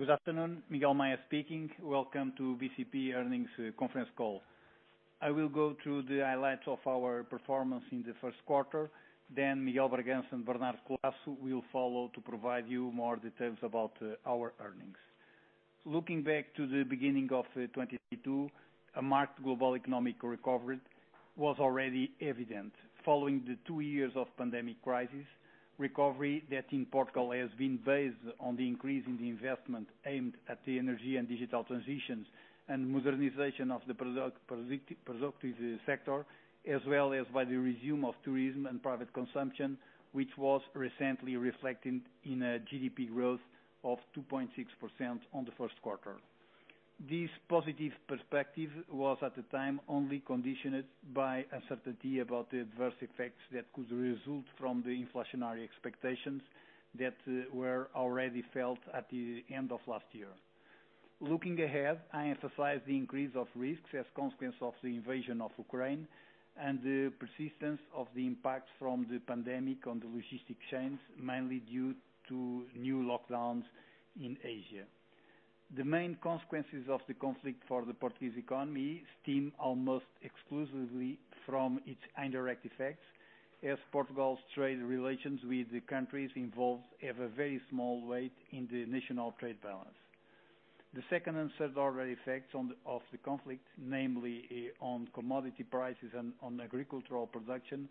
Good afternoon, Miguel Maya speaking. Welcome to BCP Earnings Conference Call. I will go through the highlights of our performance in the first quarter, then Miguel de Bragança and Bernardo Roquette de Aragão de Collaço will follow to provide you more details about our earnings. Looking back to the beginning of 2022, a marked global economic recovery was already evident following the two years of pandemic crisis. Recovery that in Portugal has been based on the increase in the investment aimed at the energy and digital transitions and modernization of the productive sector, as well as by the resumption of tourism and private consumption, which was recently reflected in a GDP growth of 2.6% in the first quarter. This positive perspective was at the time only conditioned by uncertainty about the adverse effects that could result from the inflationary expectations that were already felt at the end of last year. Looking ahead, I emphasize the increase of risks as consequence of the invasion of Ukraine and the persistence of the impacts from the pandemic on the logistics chains, mainly due to new lockdowns in Asia. The main consequences of the conflict for the Portuguese economy stem almost exclusively from its indirect effects, as Portugal's trade relations with the countries involved have a very small weight in the national trade balance. The second and third order effects of the conflict, namely, on commodity prices and on agricultural production,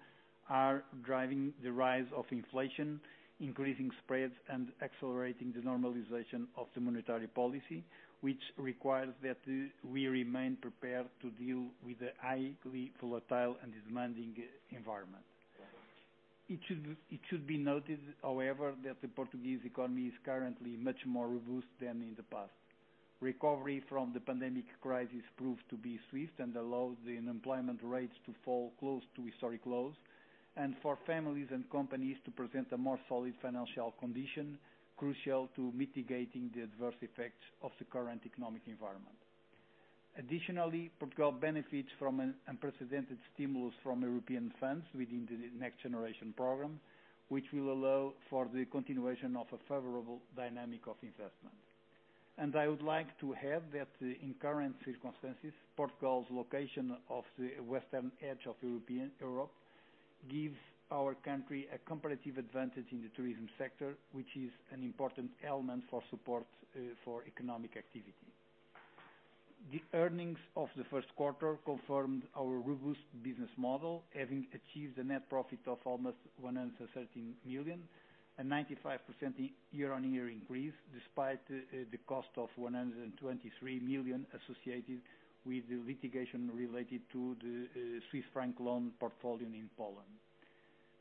are driving the rise of inflation, increasing spreads, and accelerating the normalization of the monetary policy, which requires that we remain prepared to deal with the highly volatile and demanding environment. It should be noted, however, that the Portuguese economy is currently much more robust than in the past. Recovery from the pandemic crisis proved to be swift and allowed the unemployment rates to fall close to historic lows, and for families and companies to present a more solid financial condition, crucial to mitigating the adverse effects of the current economic environment. Additionally, Portugal benefits from an unprecedented stimulus from European funds within the Next Generation program, which will allow for the continuation of a favorable dynamic of investment. I would like to add that in current circumstances, Portugal's location on the western edge of Europe gives our country a comparative advantage in the tourism sector, which is an important element for support for economic activity. The earnings of the first quarter confirmed our robust business model, having achieved a net profit of almost 113 million, a 95% year-on-year increase, despite the cost of 123 million associated with the litigation related to the Swiss franc loan portfolio in Poland.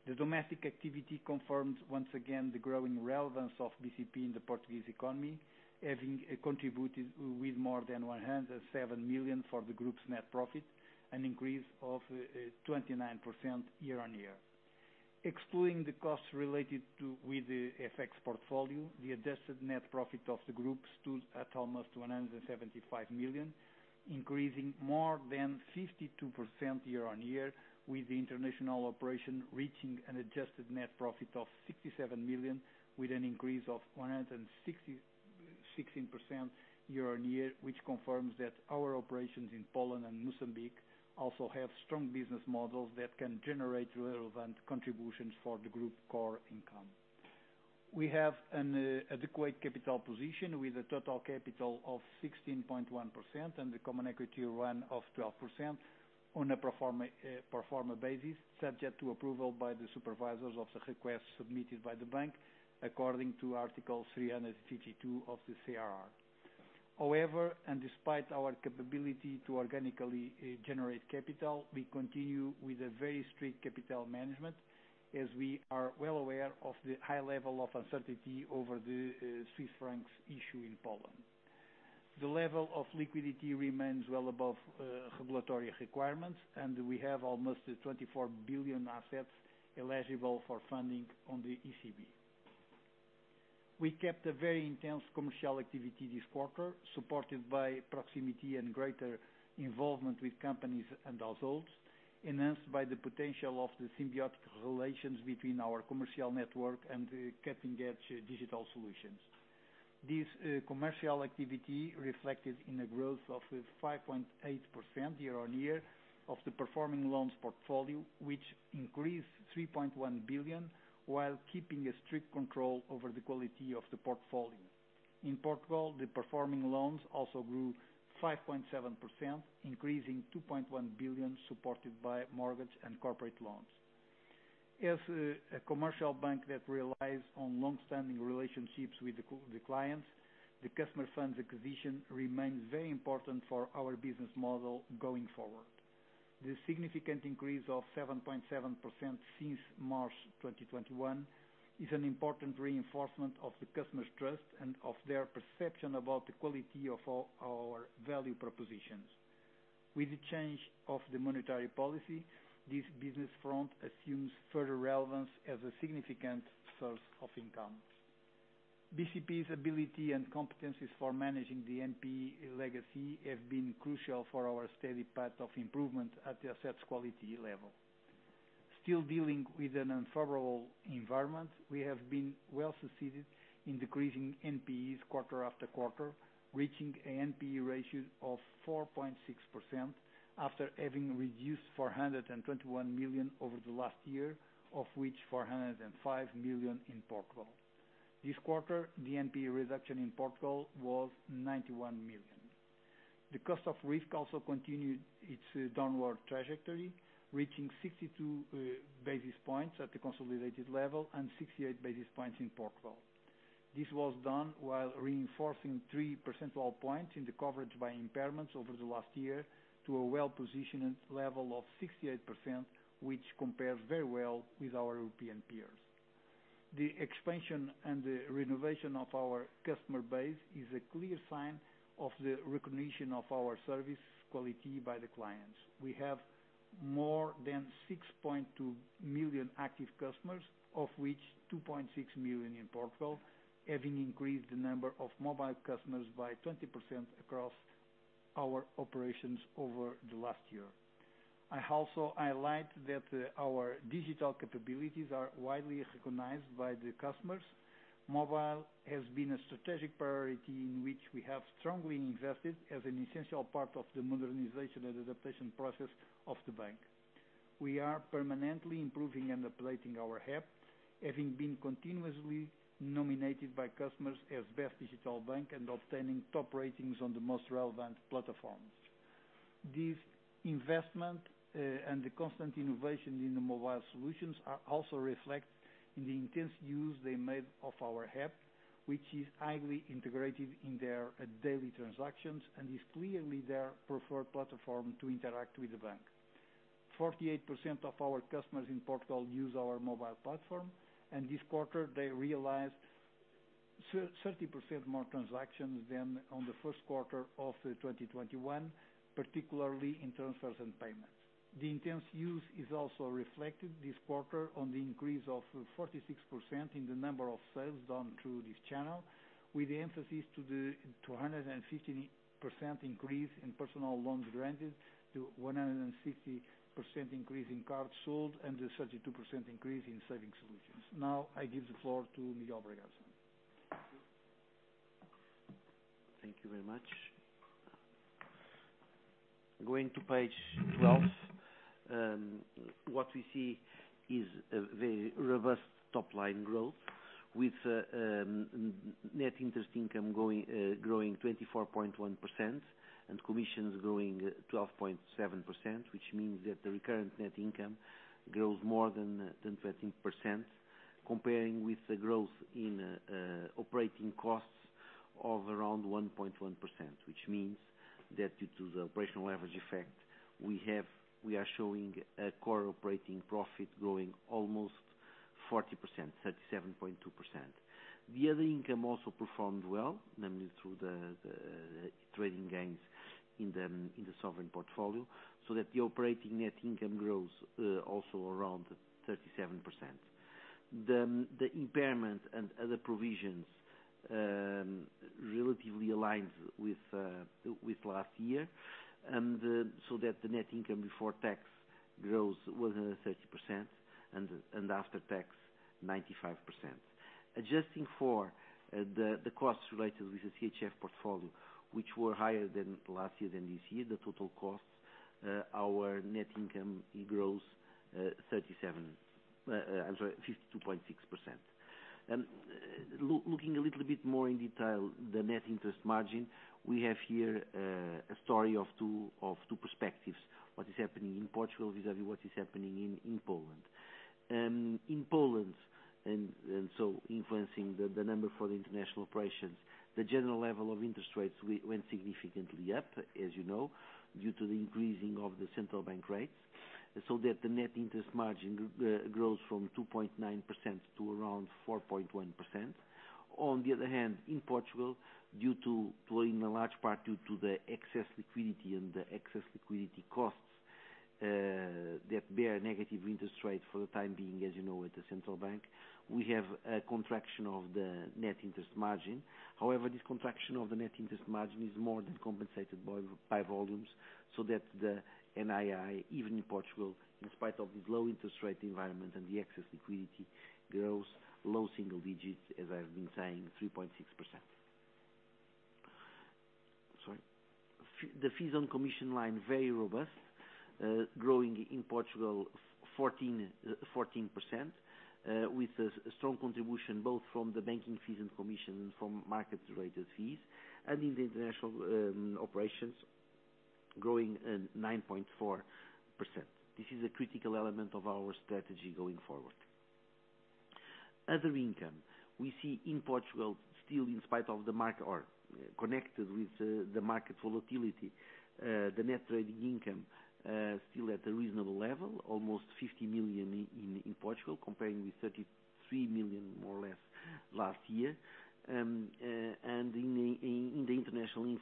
The domestic activity confirms once again the growing relevance of BCP in the Portuguese economy, having contributed with more than 107 million for the group's net profit, an increase of 29% year-on-year. Excluding the costs related to with the FX portfolio, the adjusted net profit of the group stood at almost 175 million, increasing more than 52% year-over-year, with the international operation reaching an adjusted net profit of 67 million with an increase of 116% year-over-year, which confirms that our operations in Poland and Mozambique also have strong business models that can generate relevant contributions for the group core income. We have an adequate capital position with a total capital of 16.1% and the common equity tier one of 12% on a pro forma basis, subject to approval by the supervisors of the request submitted by the bank according to Article 352 of the CRR. However, and despite our capability to organically generate capital, we continue with a very strict capital management, as we are well aware of the high level of uncertainty over the Swiss francs issue in Poland. The level of liquidity remains well above regulatory requirements, and we have almost 24 billion assets eligible for funding on the ECB. We kept a very intense commercial activity this quarter, supported by proximity and greater involvement with companies and households, enhanced by the potential of the symbiotic relations between our commercial network and the cutting-edge digital solutions. This commercial activity reflected in a growth of 5.8% year-on-year of the performing loans portfolio, which increased 3.1 billion while keeping a strict control over the quality of the portfolio. In Portugal, the performing loans also grew 5.7%, increasing 2.1 billion, supported by mortgage and corporate loans. As a commercial bank that relies on long-standing relationships with the clients, the customer funds acquisition remains very important for our business model going forward. The significant increase of 7.7% since March 2021 is an important reinforcement of the customer's trust and of their perception about the quality of our value propositions. With the change of the monetary policy, this business front assumes further relevance as a significant source of income. BCP's ability and competencies for managing the NPE legacy have been crucial for our steady path of improvement at the asset quality level. Still dealing with an unfavorable environment, we have been well succeeded in decreasing NPEs quarter after quarter, reaching an NPE ratio of 4.6% after having reduced 421 million over the last year, of which 405 million in Portugal. This quarter, the NPE reduction in Portugal was 91 million. The cost of risk also continued its downward trajectory, reaching 62 basis points at the consolidated level and 68 basis points in Portugal. This was done while reinforcing 3 percentage points in the coverage by impairments over the last year to a well-positioned level of 68%, which compares very well with our European peers. The expansion and the renovation of our customer base is a clear sign of the recognition of our service quality by the clients. We have more than 6.2 million active customers, of which 2.6 million in Portugal, having increased the number of mobile customers by 20% across our operations over the last year. I also highlight that, our digital capabilities are widely recognized by the customers. Mobile has been a strategic priority in which we have strongly invested as an essential part of the modernization and adaptation process of the bank. We are permanently improving and uploading our app, having been continuously nominated by customers as best digital bank and obtaining top ratings on the most relevant platforms. This investment and the constant innovation in the mobile solutions are also reflected in the intense use they made of our app, which is highly integrated in their daily transactions and is clearly their preferred platform to interact with the bank. 48% of our customers in Portugal use our mobile platform, and this quarter, they realized 30% more transactions than in the first quarter of 2021, particularly in transfers and payments. The intense use is also reflected this quarter in the increase of 46% in the number of sales done through this channel, with the emphasis to the 250% increase in personal loans granted, the 160% increase in cards sold, and the 32% increase in savings solutions. Now I give the floor to Miguel de Bragança. Thank you very much. Going to page 12, what we see is a very robust top-line growth with net interest income growing 24.1% and commissions growing 12.7%, which means that the recurrent net income grows more than 13% comparing with the growth in operating costs of around 1.1%. Which means that due to the operational leverage effect we have, we are showing a core operating profit growing almost 40%, 37.2%. The other income also performed well, namely through the trading gains in the sovereign portfolio, so that the operating net income grows also around 37%. The impairment and other provisions relatively aligns with last year, that the net income before tax grows 130% and after tax 95%. Adjusting for the costs related with the CHF portfolio, which were higher than last year than this year, the total costs, our net income grows 52.6%. Looking a little bit more in detail, the net interest margin, we have here a story of two perspectives. What is happening in Portugal vis-à-vis what is happening in Poland. In Poland, influencing the number for the international operations, the general level of interest rates went significantly up, as you know, due to the increasing of the central bank rates, so that the net interest margin grows from 2.9% to around 4.1%. On the other hand, in Portugal, owing a large part due to the excess liquidity and the excess liquidity costs that bear negative interest rates for the time being, as you know, at the central bank, we have a contraction of the net interest margin. However, this contraction of the net interest margin is more than compensated by volumes, so that the NII, even in Portugal, in spite of this low interest rate environment and the excess liquidity, grows low single digits, as I've been saying, 3.6%. Sorry. The fees on commission line, very robust, growing in Portugal 14%, with a strong contribution both from the banking fees and commissions from market-related fees, and in the international operations growing 9.4%. This is a critical element of our strategy going forward. Other income, we see in Portugal, still in spite of the market or connected with the market volatility, the net trading income still at a reasonable level, almost 50 million in Portugal, comparing with 33 million more or less last year. In the international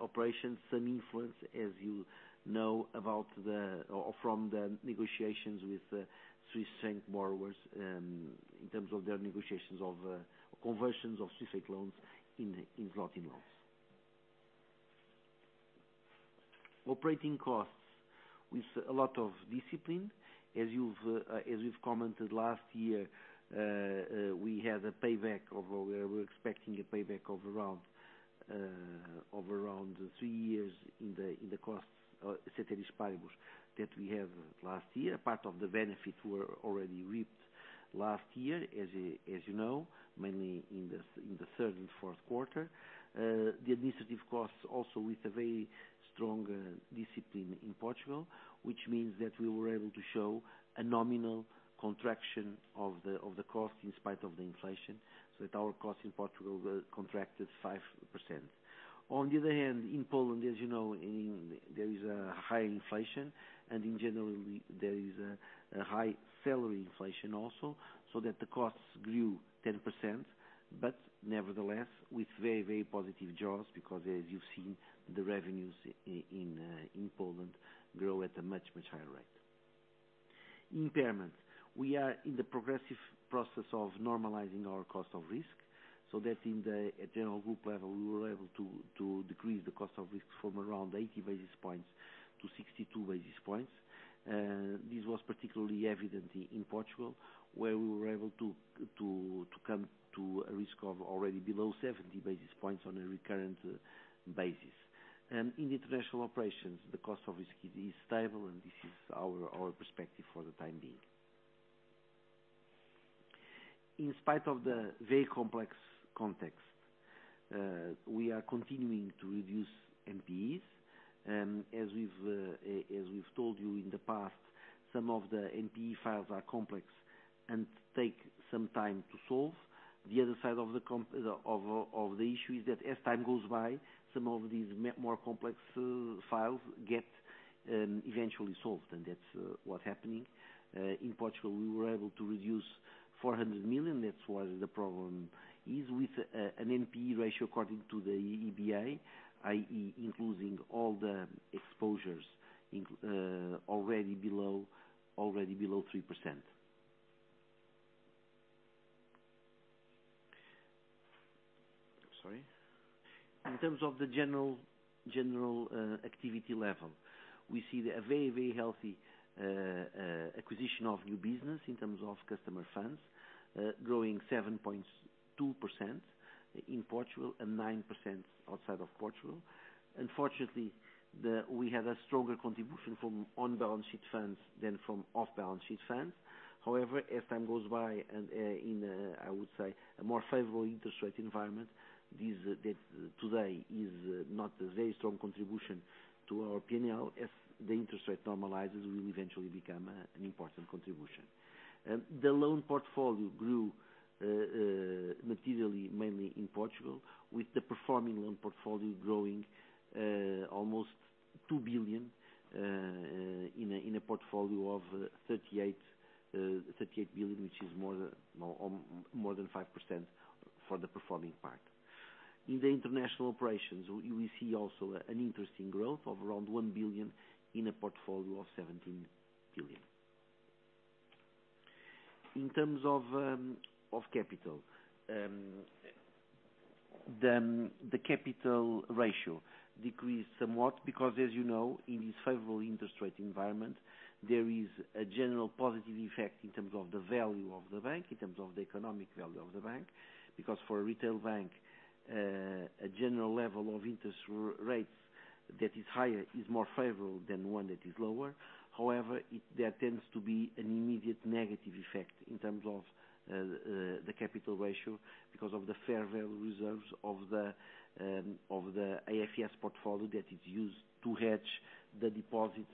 operations, some influence, as you know, about the or from the negotiations with Swiss franc borrowers, in terms of their negotiations of conversions of Swiss franc loans in floating loans. Operating costs, with a lot of discipline as we've commented last year, we had a payback of, or we're expecting a payback of around three years in the costs, ceteris paribus that we had last year. Part of the benefit were already reaped last year, as you know, mainly in the third and fourth quarter. The administrative costs also with a very strong discipline in Portugal, which means that we were able to show a nominal contraction of the cost in spite of the inflation, so that our costs in Portugal were contracted 5%. On the other hand, in Poland, as you know, there is a high inflation, and in general, there is a high salary inflation also, so that the costs grew 10%, but nevertheless, with very, very positive jaws, because as you've seen, the revenues in Poland grow at a much, much higher rate. Impairment, we are in the progressive process of normalizing our cost of risk, so that in the general group level, we were able to decrease the cost of risk from around 80 basis points to 62 basis points. This was particularly evident in Portugal, where we were able to come to a risk of already below 70 basis points on a recurrent basis. In international operations, the cost of risk is stable, and this is our perspective for the time being. In spite of the very complex context, we are continuing to reduce NPEs. As we've told you in the past, some of the NPE files are complex and take some time to solve. The other side of the issue is that as time goes by, some of these more complex files get eventually solved, and that's what's happening. In Portugal, we were able to reduce 400 million. That was the problem is with an NPE ratio according to the EBA, i.e., including all the exposures already below 3%. Sorry. In terms of the general activity level, we see a very healthy acquisition of new business in terms of customer funds growing 7.2% in Portugal and 9% outside of Portugal. Unfortunately, we had a stronger contribution from on-balance sheet funds than from off-balance sheet funds. However, as time goes by and in, I would say, a more favorable interest rate environment, this-- that today is not a very strong contribution to our P&L. As the interest rate normalizes, we will eventually become an important contribution. The loan portfolio grew materially, mainly in Portugal, with the performing loan portfolio growing almost 2 billion in a portfolio of 38 billion, which is more than 5% for the performing part. In the international operations, we see also an interesting growth of around 1 billion in a portfolio of 17 billion. In terms of capital, the capital ratio decreased somewhat because, as you know, in this favorable interest rate environment, there is a general positive effect in terms of the value of the bank, in terms of the economic value of the bank. Because for a retail bank, a general level of interest rates that is higher is more favorable than one that is lower. However, there tends to be an immediate negative effect in terms of the capital ratio because of the fair value reserves of the AFS portfolio that is used to hedge the deposits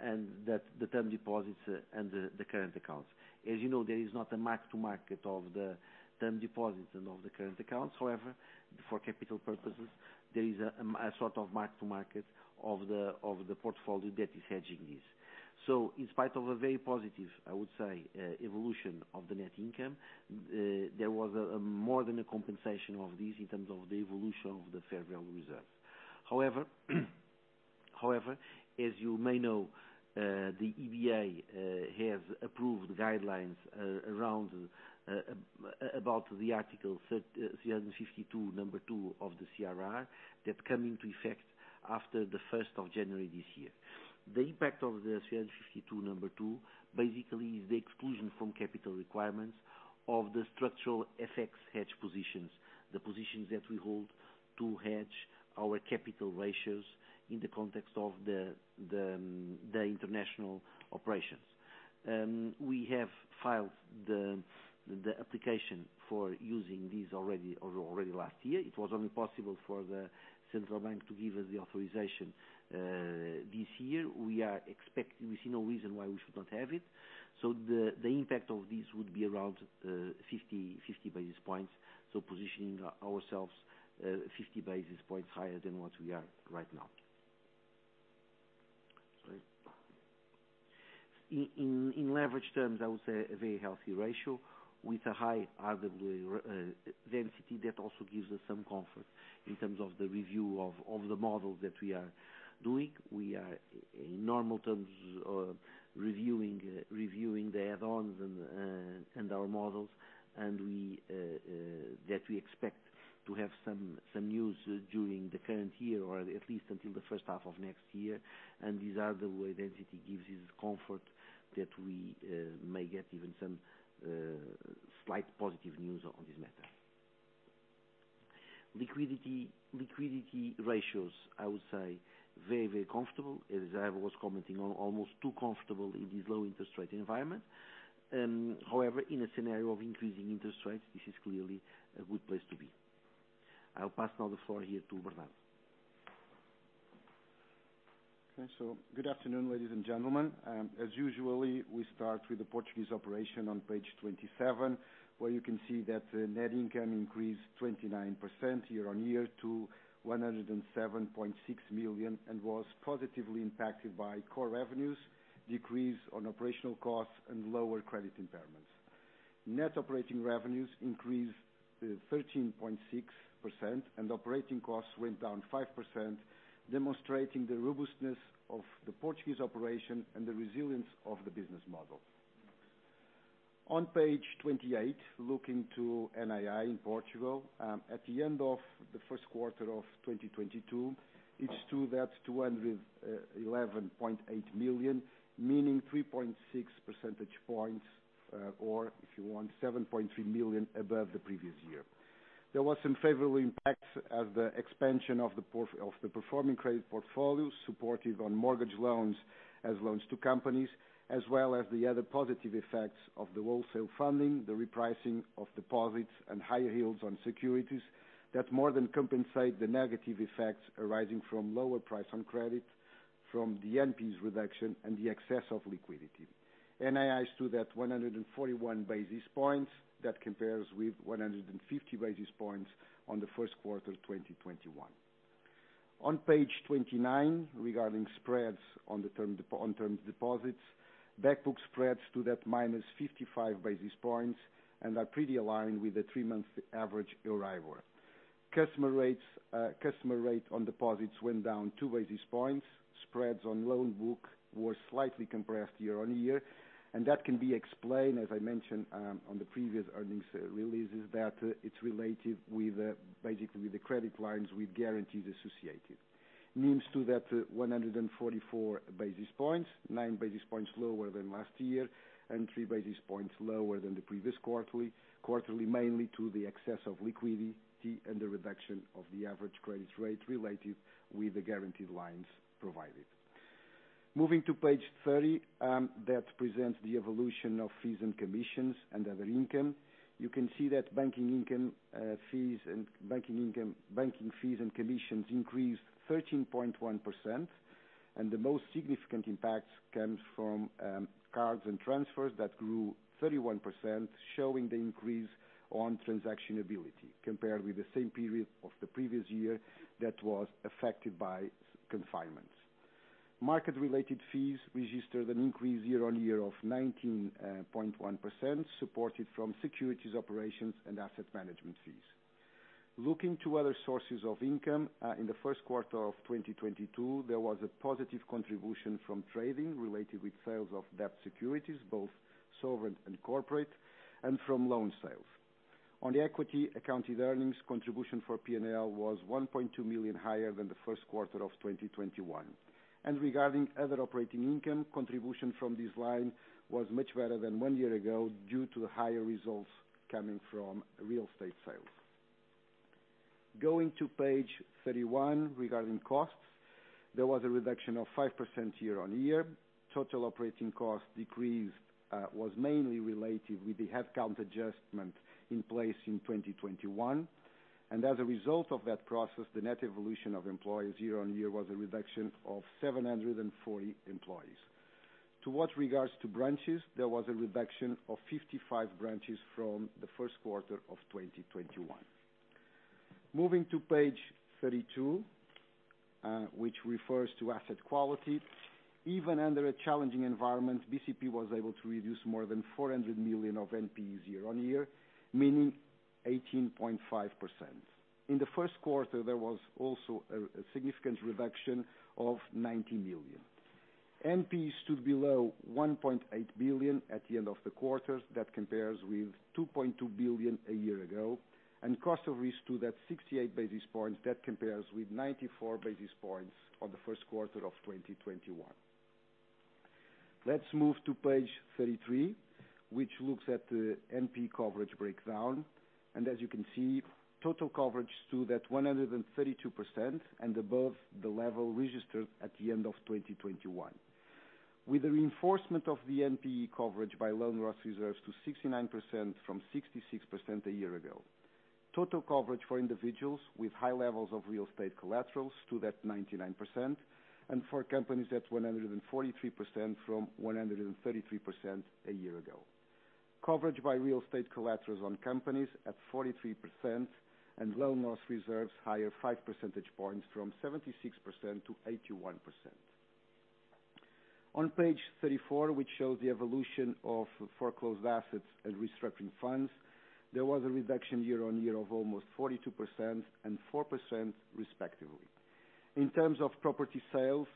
and that the term deposits and the current accounts. As you know, there is not a mark-to-market of the term deposits and of the current accounts. However, for capital purposes, there is a sort of mark to market of the portfolio that is hedging this. In spite of a very positive, I would say, evolution of the net income, there was more than a compensation of this in terms of the evolution of the fair value reserves. However, as you may know, the EBA has approved guidelines about the Article 352(2) of the CRR that come into effect after the first of January this year. The impact of the Article 352(2) basically is the exclusion from capital requirements of the structural FX hedge positions, the positions that we hold to hedge our capital ratios in the context of the international operations. We have filed the application for using this already last year. It was only possible for the central bank to give us the authorization this year. We see no reason why we should not have it. The impact of this would be around 50 basis points, so positioning ourselves 50 basis points higher than what we are right now. In leverage terms, I would say a very healthy ratio with a high arguably density that also gives us some comfort in terms of the review of the models that we are doing. We are in normal terms reviewing the add-ons and our models, and we that we expect to have some news during the current year or at least until the first half of next year. These are the way density gives us comfort that we may get even some slight positive news on this matter. Liquidity ratios, I would say very comfortable. As I was commenting on, almost too comfortable in this low interest rate environment. However, in a scenario of increasing interest rates, this is clearly a good place to be. I'll pass now the floor here to Bernard. Okay. Good afternoon, ladies and gentlemen. As usually, we start with the Portuguese operation on page 27, where you can see that the net income increased 29% year-on-year to 107.6 million, and was positively impacted by core revenues, decrease in operational costs and lower credit impairments. Net operating revenues increased 13.6% and operating costs went down 5%, demonstrating the robustness of the Portuguese operation and the resilience of the business model. On page 28, looking to NII in Portugal, at the end of the first quarter of 2022, it stood at 211.8 million, meaning 3.6 percentage points or if you want, 7.3 million above the previous year. There was some favorable impacts as the expansion of the performing credit portfolio, supported on mortgage loans as loans to companies, as well as the other positive effects of the wholesale funding, the repricing of deposits, and higher yields on securities that more than compensate the negative effects arising from lower price on credit from the NPEs reduction and the excess of liquidity. NII stood at 141 basis points. That compares with 150 basis points on the first quarter of 2021. On page 29, regarding spreads on terms deposits, back book spreads stood at -55 basis points and are pretty aligned with the 3-month average Euribor. Customer rates, customer rate on deposits went down 2 basis points. Spreads on loan book were slightly compressed year-on-year, and that can be explained, as I mentioned, on the previous earnings releases, that it's related with basically with the credit lines with guarantees associated. Meaning that 144 basis points, 9 basis points lower than last year and 3 basis points lower than the previous quarter, mainly due to the excess of liquidity and the reduction of the average credit rate related with the guaranteed lines provided. Moving to page 30, that presents the evolution of fees and commissions and other income. You can see that banking fees and commissions increased 13.1%, and the most significant impact comes from cards and transfers that grew 31%, showing the increase in transactional activity compared with the same period of the previous year that was affected by confinement. Market-related fees registered an increase year-on-year of 19.1%, supported from securities operations and asset management fees. Looking to other sources of income, in the first quarter of 2022, there was a positive contribution from trading related with sales of debt securities, both sovereign and corporate, and from loan sales. On the equity accounted earnings, contribution for P&L was 1.2 million higher than the first quarter of 2021. Regarding other operating income, contribution from this line was much better than one year ago due to higher results coming from real estate sales. Going to page 31, regarding costs, there was a reduction of 5% year-on-year. Total operating costs decreased, was mainly related with the headcount adjustment in place in 2021. As a result of that process, the net evolution of employees year-on-year was a reduction of 740 employees. As regards to branches, there was a reduction of 55 branches from the first quarter of 2021. Moving to page 32, which refers to asset quality. Even under a challenging environment, BCP was able to reduce more than 400 million of NPE year-on-year, meaning 18.5%. In the first quarter, there was also a significant reduction of 90 million. NPE stood below 1.8 billion at the end of the quarter. That compares with 2.2 billion a year ago. Cost of risk stood at 68 basis points. That compares with 94 basis points on the first quarter of 2021. Let's move to page 33, which looks at the NPE coverage breakdown. As you can see, total coverage stood at 132% and above the level registered at the end of 2021. With the reinforcement of the NPE coverage by loan loss reserves to 69% from 66% a year ago. Total coverage for individuals with high levels of real estate collaterals stood at 99%, and for companies at 143% from 133% a year ago. Coverage by real estate collaterals on companies at 43%, and loan loss reserves higher 5 percentage points from 76% to 81%. On page 34, which shows the evolution of foreclosed assets and restructuring funds, there was a reduction year-on-year of almost 42% and 4% respectively. In terms of property sales,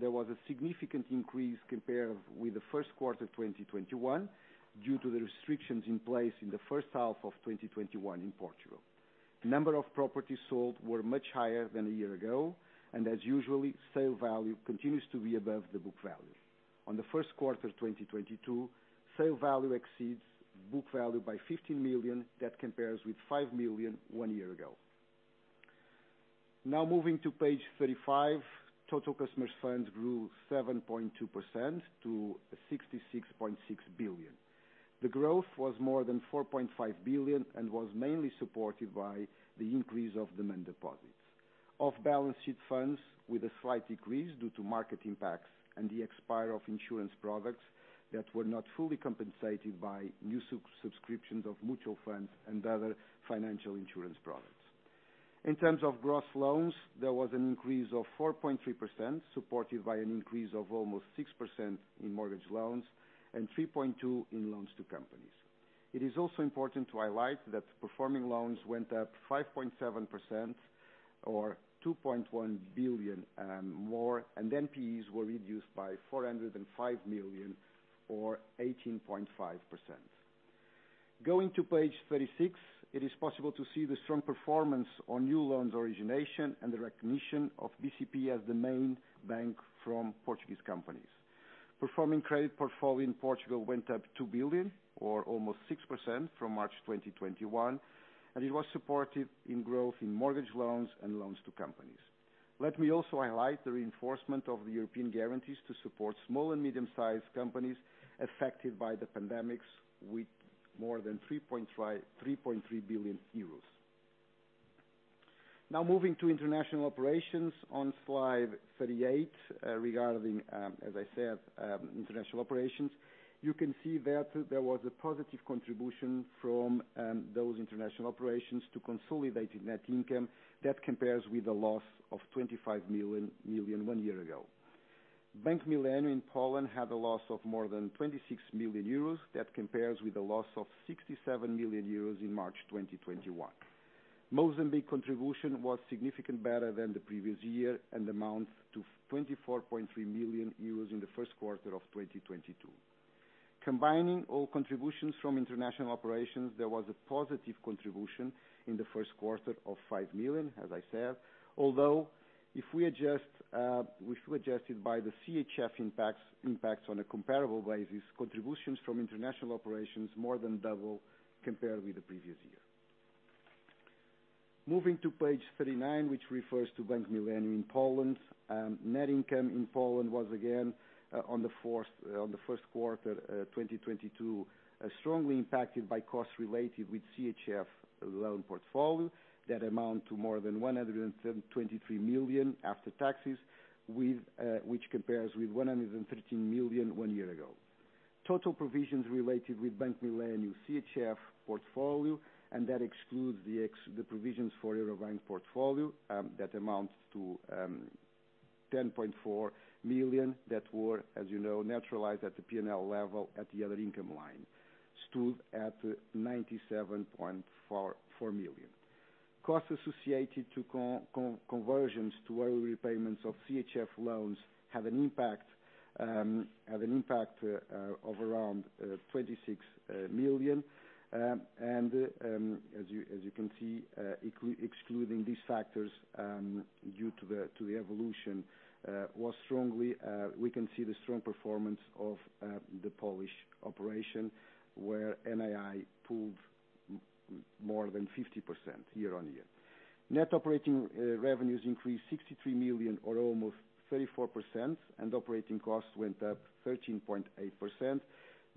there was a significant increase compared with the first quarter 2021 due to the restrictions in place in the first half of 2021 in Portugal. The number of properties sold were much higher than a year ago, and as usual, sale value continues to be above the book value. In the first quarter 2022, sale value exceeds book value by 15 million, that compares with 5 million one year ago. Now moving to page 35, total customer funds grew 7.2% to 66.6 billion. The growth was more than 4.5 billion and was mainly supported by the increase of demand deposits. Off-balance sheet funds with a slight decrease due to market impacts and the expiry of insurance products that were not fully compensated by new subscriptions of mutual funds and other financial insurance products. In terms of gross loans, there was an increase of 4.3%, supported by an increase of almost 6% in mortgage loans and 3.2% in loans to companies. It is also important to highlight that performing loans went up 5.7% or 2.1 billion more, and NPEs were reduced by 405 million or 18.5%. Going to page 36, it is possible to see the strong performance on new loan origination and the recognition of BCP as the main bank for Portuguese companies. Performing credit portfolio in Portugal went up 2 billion or almost 6% from March 2021, and it was supported in growth in mortgage loans and loans to companies. Let me also highlight the reinforcement of the European guarantees to support small and medium-sized companies affected by the pandemic with more than 3.3 billion euros. Now moving to international operations on slide 38. Regarding international operations, you can see that there was a positive contribution from those international operations to consolidated net income that compares with a loss of 25 million one year ago. Bank Millennium in Poland had a loss of more than 26 million euros. That compares with a loss of 67 million euros in March 2021. Mozambique contribution was significantly better than the previous year and amounts to 24.3 million euros in the first quarter of 2022. Combining all contributions from international operations, there was a positive contribution in the first quarter of 5 million, as I said, although if we adjusted by the CHF impacts on a comparable basis, contributions from international operations more than doubled compared with the previous year. Moving to page 39, which refers to Bank Millennium in Poland. Net income in Poland was again on the first quarter 2022 strongly impacted by costs related with CHF loan portfolio. That amounts to more than 123 million after taxes, which compares with 113 million one year ago. Total provisions related with Bank Millennium CHF portfolio, and that excludes the provisions for Eurobank portfolio, that amounts to 10.4 million that were, as you know, neutralized at the P&L level at the other income line, stood at 97.4 million. Costs associated to conversions to early repayments of CHF loans have an impact of around 26 million. As you can see, excluding these factors, due to the evolution, we can see the strong performance of the Polish operation, where NII improved more than 50% year-on-year. Net operating revenues increased 63 million or almost 34%, and operating costs went up 13.8%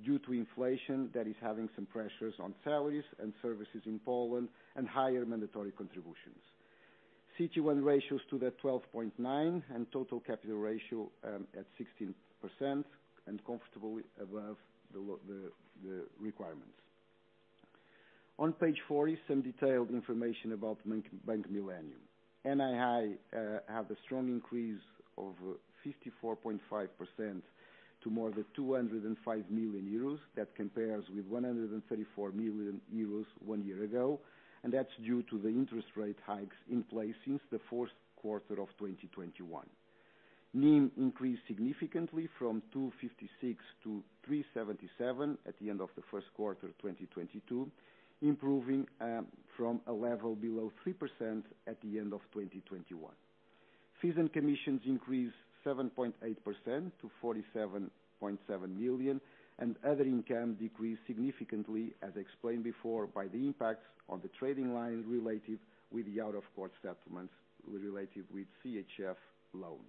due to inflation that is having some pressures on salaries and services in Poland and higher mandatory contributions. CET1 ratio to 12.9% and total capital ratio at 16% and comfortable above the requirements. On page 40, some detailed information about Bank Millennium. NII have a strong increase of 54.5% to more than 205 million euros. That compares with 134 million euros one year ago, and that's due to the interest rate hikes in place since the fourth quarter of 2021. NIM increased significantly from 2.56% to 3.77% at the end of the first quarter of 2022, improving from a level below 3% at the end of 2021. Fees and commissions increased 7.8% to 47.7 million, and other income decreased significantly, as explained before, by the impacts on the trading line related with the out-of-court settlements related with CHF loans.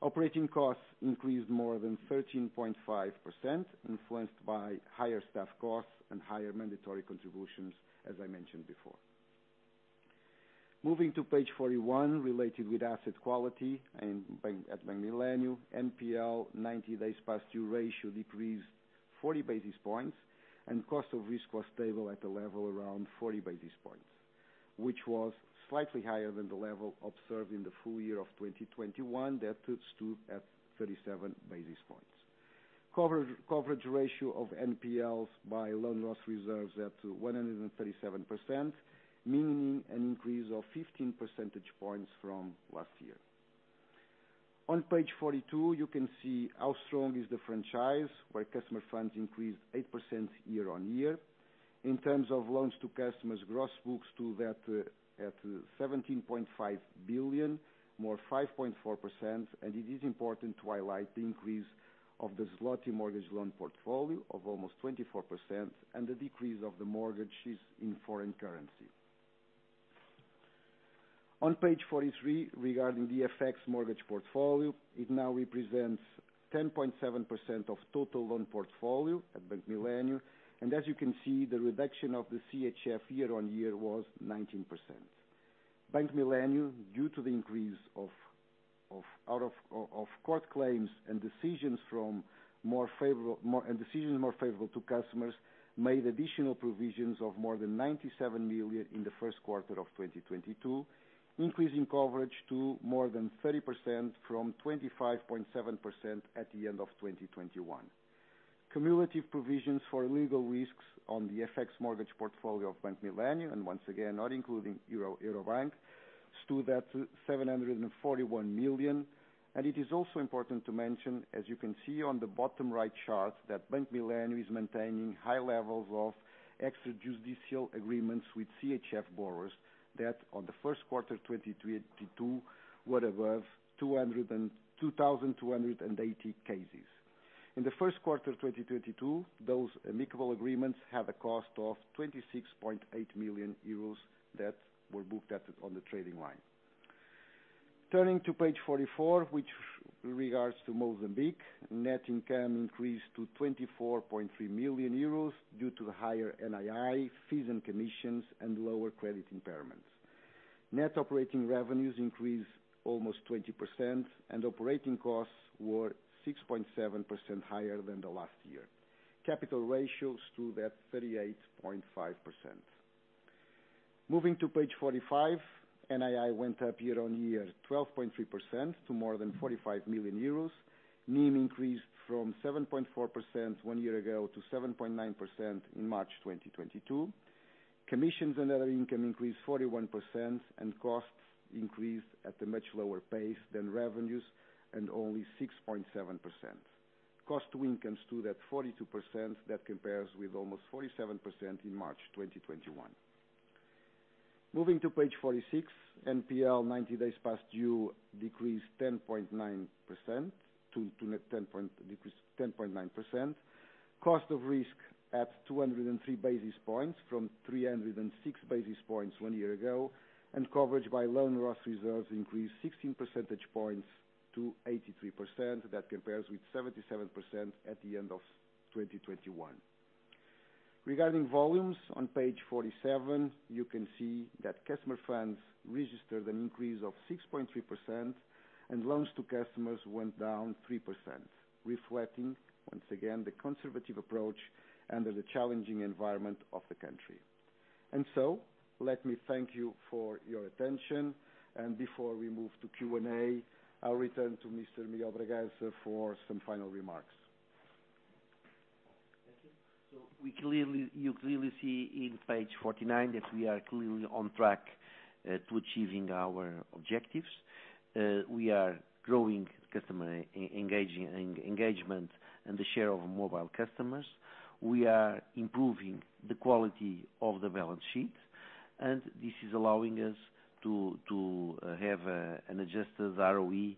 Operating costs increased more than 13.5%, influenced by higher staff costs and higher mandatory contributions, as I mentioned before. Moving to page 41, related with asset quality at Bank Millennium, NPL 90 days past due ratio decreased 40 basis points, and cost of risk was stable at a level around 40 basis points, which was slightly higher than the level observed in the full year of 2021. That stood at 37 basis points. Coverage ratio of NPLs by loan loss reserves at 137%, meaning an increase of 15 percentage points from last year. On page 42, you can see how strong is the franchise, where customer funds increased 8% year-on-year. In terms of loans to customers, gross book to that at 17.5 billion, up 5.4%, and it is important to highlight the increase of the zloty mortgage loan portfolio of almost 24% and the decrease of the mortgages in foreign currency. On page 43, regarding the FX mortgage portfolio, it now represents 10.7% of total loan portfolio at Bank Millennium. As you can see, the reduction of the CHF year-on-year was 19%. Bank Millennium, due to the increase of out-of-court claims and decisions more favorable to customers, made additional provisions of more than 97 million in the first quarter of 2022, increasing coverage to more than 30% from 25.7% at the end of 2021. Cumulative provisions for legal risks on the FX mortgage portfolio of Bank Millennium, and once again, not including Eurobank, stood at 741 million. It is also important to mention, as you can see on the bottom right chart, that Bank Millennium is maintaining high levels of extrajudicial agreements with CHF borrowers that in the first quarter 2022 were above 200,280 cases. In the first quarter of 2022, those amicable agreements had a cost of 26.8 million euros that were booked at, on the trading line. Turning to page 44, which regards to Mozambique, net income increased to 24.3 million euros due to the higher NII fees and commissions and lower credit impairments. Net operating revenues increased almost 20% and operating costs were 6.7% higher than the last year. Capital ratios stood at 38.5%. Moving to page 45, NII went up year-on-year, 12.3% to more than 45 million euros. NIM increased from 7.4% one year ago to 7.9% in March 2022. Commissions and other income increased 41%, and costs increased at a much lower pace than revenues and only 6.7%. Cost-to-income stood at 42%. That compares with almost 47% in March 2021. Moving to page 46, NPL 90 days past due decreased 10.9% to 10.9%. Cost of risk at 203 basis points from 306 basis points one year ago, and coverage by loan loss reserves increased 16 percentage points to 83%. That compares with 77% at the end of 2021. Regarding volumes on page 47, you can see that customer funds registered an increase of 6.3% and loans to customers went down 3%, reflecting once again the conservative approach under the challenging environment of the country. Let me thank you for your attention. Before we move to Q&A, I'll return to Mr. Miguel de Bragança for some final remarks. Thank you. We clearly, you clearly see in page 49 that we are clearly on track to achieving our objectives. We are growing customer engagement and the share of mobile customers. We are improving the quality of the balance sheet, and this is allowing us to have an adjusted ROE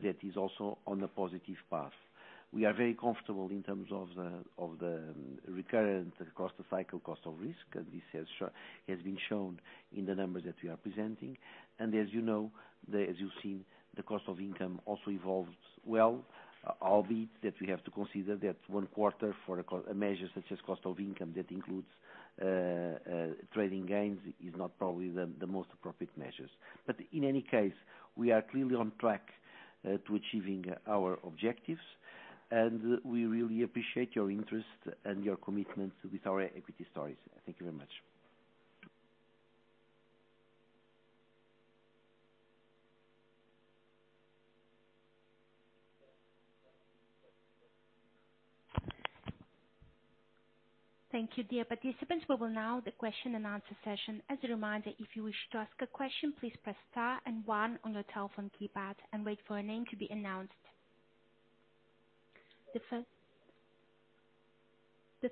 that is also on a positive path. We are very comfortable in terms of the recurrent costs, cyclical cost of risk, and this has been shown in the numbers that we are presenting. As you know, as you've seen, the cost-to-income also evolves well, albeit that we have to consider that one quarter for a measure such as cost-to-income that includes trading gains is not probably the most appropriate measure. In any case, we are clearly on track to achieving our objectives, and we really appreciate your interest and your commitment with our equity stories. Thank you very much. Thank you, dear participants. We will now begin the question and answer session. As a reminder, if you wish to ask a question, please press star and one on your telephone keypad and wait for a name to be announced. The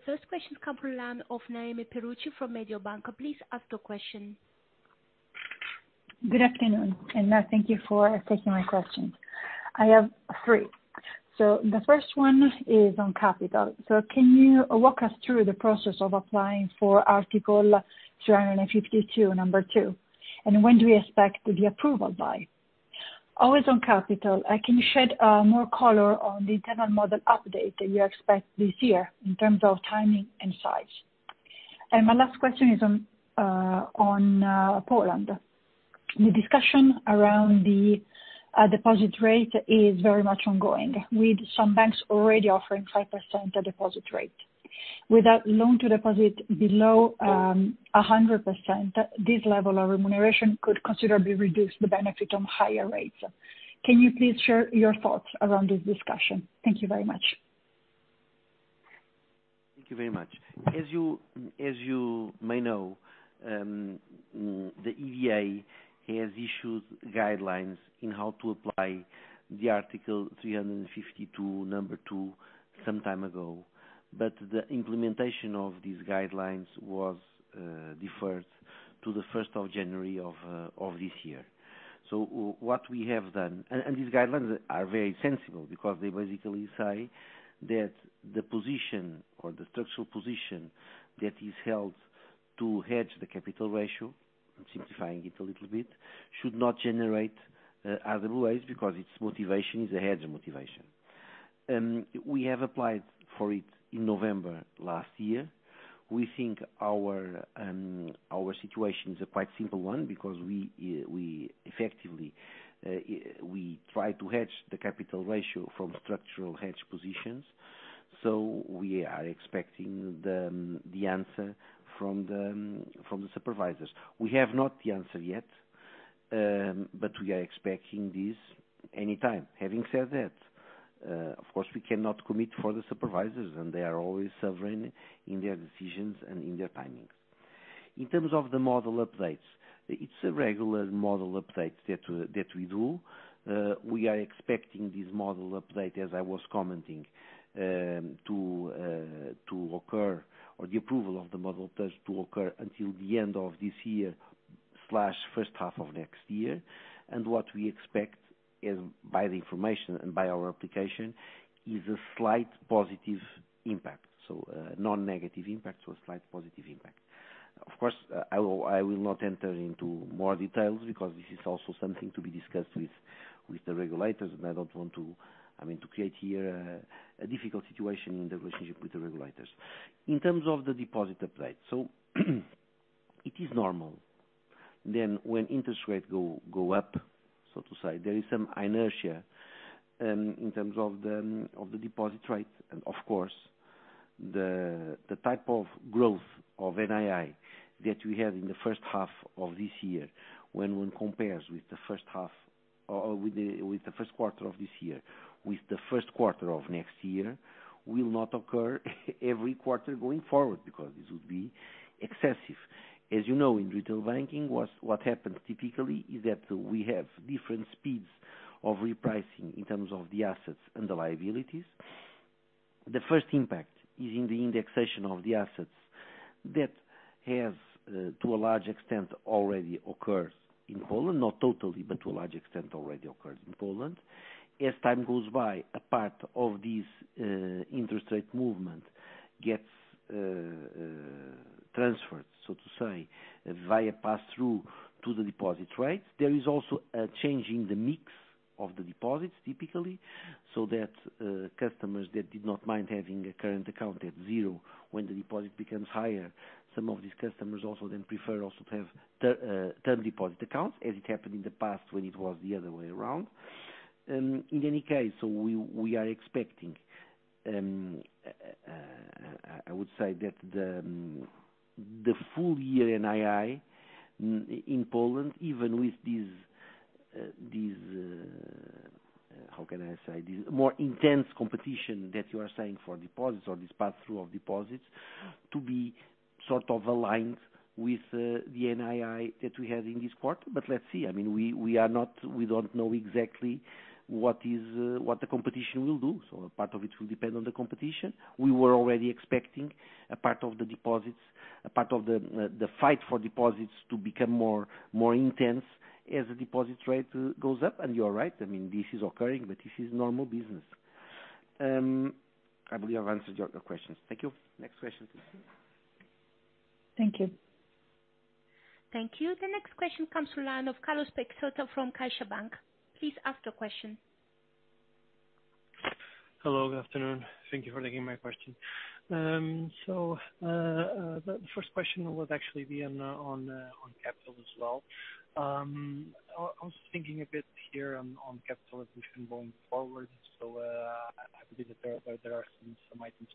first question comes from the line of Noemi Peruch from Mediobanca. Please ask your question. Good afternoon, and thank you for taking my questions. I have three. The first one is on capital. Can you walk us through the process of applying for Article 252(2), and when do we expect the approval by? Also on capital, can you shed more color on the internal model update that you expect this year in terms of timing and size? My last question is on Poland. The discussion around the deposit rate is very much ongoing, with some banks already offering 5% deposit rate. Without loan-to-deposit below 100%, this level of remuneration could considerably reduce the benefit on higher rates. Can you please share your thoughts around this discussion? Thank you very much. Thank you very much. As you may know, the EBA has issued guidelines in how to apply the Article 352(2), some time ago. The implementation of these guidelines was deferred to the first of January of this year. What we have done and these guidelines are very sensible because they basically say that the position or the structural position that is held to hedge the capital ratio, I'm simplifying it a little bit, should not generate other RWAs because its motivation is a hedge motivation. We have applied for it in November last year. We think our situation is a quite simple one because we effectively try to hedge the capital ratio with structural hedge positions. We are expecting the answer from the supervisors. We have not the answer yet, but we are expecting this any time. Having said that, of course, we cannot commit for the supervisors, and they are always sovereign in their decisions and in their timings. In terms of the model updates, it's a regular model updates that we do. We are expecting this model update, as I was commenting, to occur or the approval of the model test to occur until the end of this year/first half of next year. What we expect is by the information and by our application is a slight positive impact. Non-negative impact, so a slight positive impact. Of course, I will not enter into more details because this is also something to be discussed with the regulators, and I don't want to, I mean, to create here a difficult situation in the relationship with the regulators. In terms of the deposit applied, so it is normal. When interest rates go up, so to say, there is some inertia in terms of the deposit rate. Of course, the type of growth of NII that we had in the first half of this year, when one compares with the first half or with the first quarter of this year, with the first quarter of next year, will not occur every quarter going forward, because this would be excessive. As you know, in retail banking, what happens typically is that we have different speeds of repricing in terms of the assets and the liabilities. The first impact is in the indexation of the assets that has to a large extent already occurs in Poland, not totally, but to a large extent already occurs in Poland. As time goes by, a part of this interest rate movement gets transferred, so to say, via pass-through to the deposit rates. There is also a change in the mix of the deposits, typically, so that customers that did not mind having a current account at zero when the deposit becomes higher. Some of these customers also then prefer also to have term deposit accounts, as it happened in the past when it was the other way around. In any case, we are expecting. I would say that the full year NII in Poland, even with this more intense competition that you are saying for deposits or this pass-through of deposits to be sort of aligned with the NII that we had in this quarter. Let's see. I mean, we are not. We don't know exactly what the competition will do. A part of it will depend on the competition. We were already expecting a part of the deposits, a part of the fight for deposits to become more intense as the deposit rate goes up. You are right. I mean, this is occurring, but this is normal business. I believe I've answered your questions. Thank you. Next question, please. Thank you. Thank you. The next question comes from the line of Carlos Peixoto from CaixaBank. Please ask your question. Hello, good afternoon. Thank you for taking my question. The first question will actually be on capital as well. I was thinking a bit here on capital evolution going forward. I believe that there are some items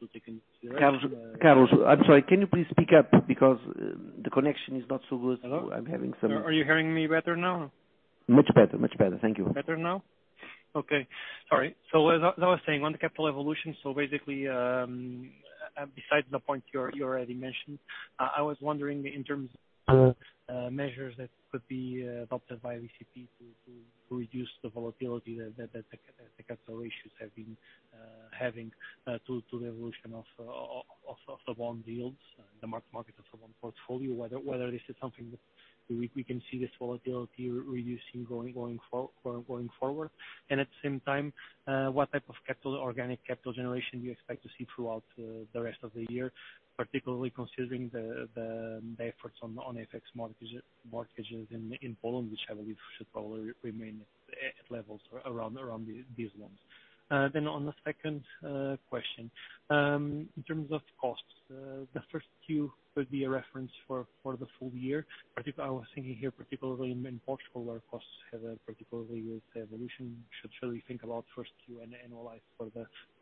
to take into consideration. Carlos, I'm sorry. Can you please speak up because the connection is not so good. Hello. I'm having some- Are you hearing me better now? Much better. Thank you. Better now? Okay. Sorry. As I was saying on the capital evolution, basically, besides the point you already mentioned, I was wondering in terms of measures that could be adopted by BCP to reduce the volatility that the capital ratios have been having to the evolution of the bond yields, the mark-to-market of the bond portfolio. Whether this is something that we can see this volatility reducing going forward. At the same time, what type of organic capital generation do you expect to see throughout the rest of the year, particularly considering the efforts on FX mortgages in Poland, which I believe should probably remain at levels around these loans. On the second question, in terms of costs, the first two could be a reference for the full year. I was thinking here, particularly in Portugal, where costs have a particularly good evolution. Should we think about first Q and annualize for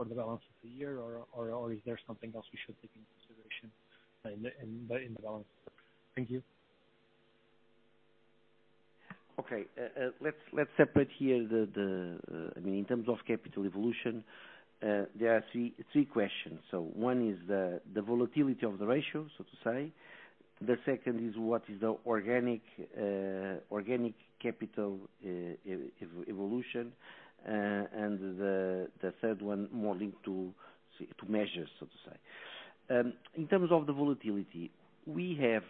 the balance of the year or is there something else we should take into consideration in the balance? Thank you. Okay. Let's separate here. I mean, in terms of capital evolution, there are three questions. One is the volatility of the ratio, so to say. The second is what is the organic capital evolution. The third one more linked to measures, so to say. In terms of the volatility, we have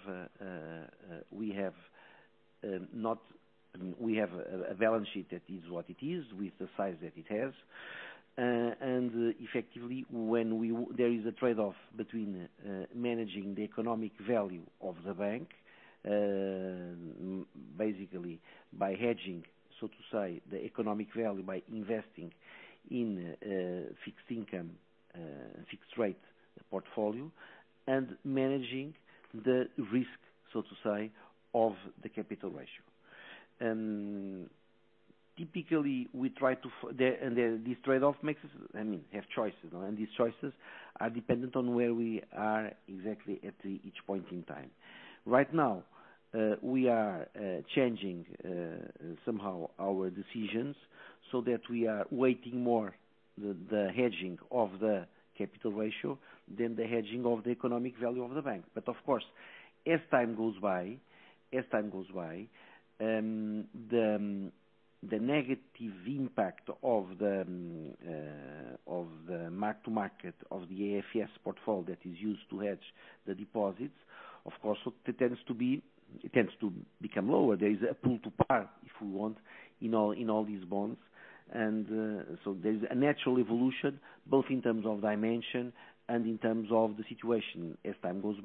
a balance sheet that is what it is with the size that it has. Effectively, when there is a trade-off between managing the economic value of the bank, basically by hedging, so to say, the economic value by investing in fixed income, fixed rate portfolio, and managing the risk, so to say, of the capital ratio. Typically, this trade-off makes us, I mean, have choices, and these choices are dependent on where we are exactly at each point in time. Right now, we are changing somehow our decisions so that we are weighting more the hedging of the capital ratio than the hedging of the economic value of the bank. Of course, as time goes by, the negative impact of the mark to market of the AFS portfolio that is used to hedge the deposits, of course it tends to become lower. There is a pull to par, if we want, in all these bonds. There's a natural evolution, both in terms of dimension and in terms of the situation as time goes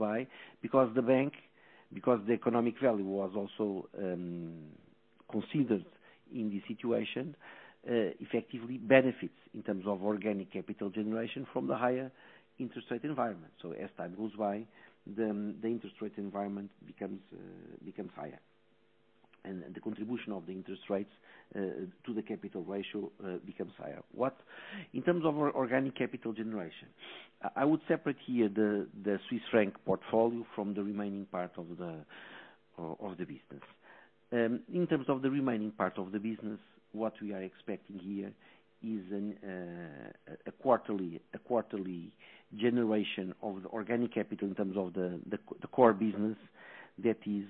by, because the economic value was also considered in this situation, effectively benefits in terms of organic capital generation from the higher interest rate environment. As time goes by, then the interest rate environment becomes higher, and the contribution of the interest rates to the capital ratio becomes higher. In terms of our organic capital generation, I would separate here the Swiss franc portfolio from the remaining part of the business. In terms of the remaining part of the business, what we are expecting here is a quarterly generation of the organic capital in terms of the core business that is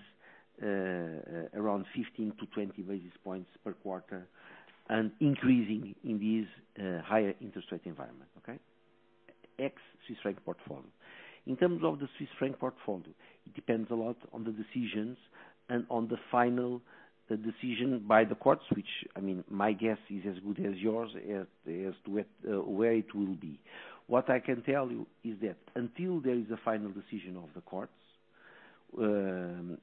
around 15-20 basis points per quarter and increasing in this higher interest rate environment. Okay? Ex Swiss franc portfolio. In terms of the Swiss franc portfolio, it depends a lot on the decisions and on the final decision by the courts, which, I mean, my guess is as good as yours as to what where it will be. What I can tell you is that until there is a final decision of the courts,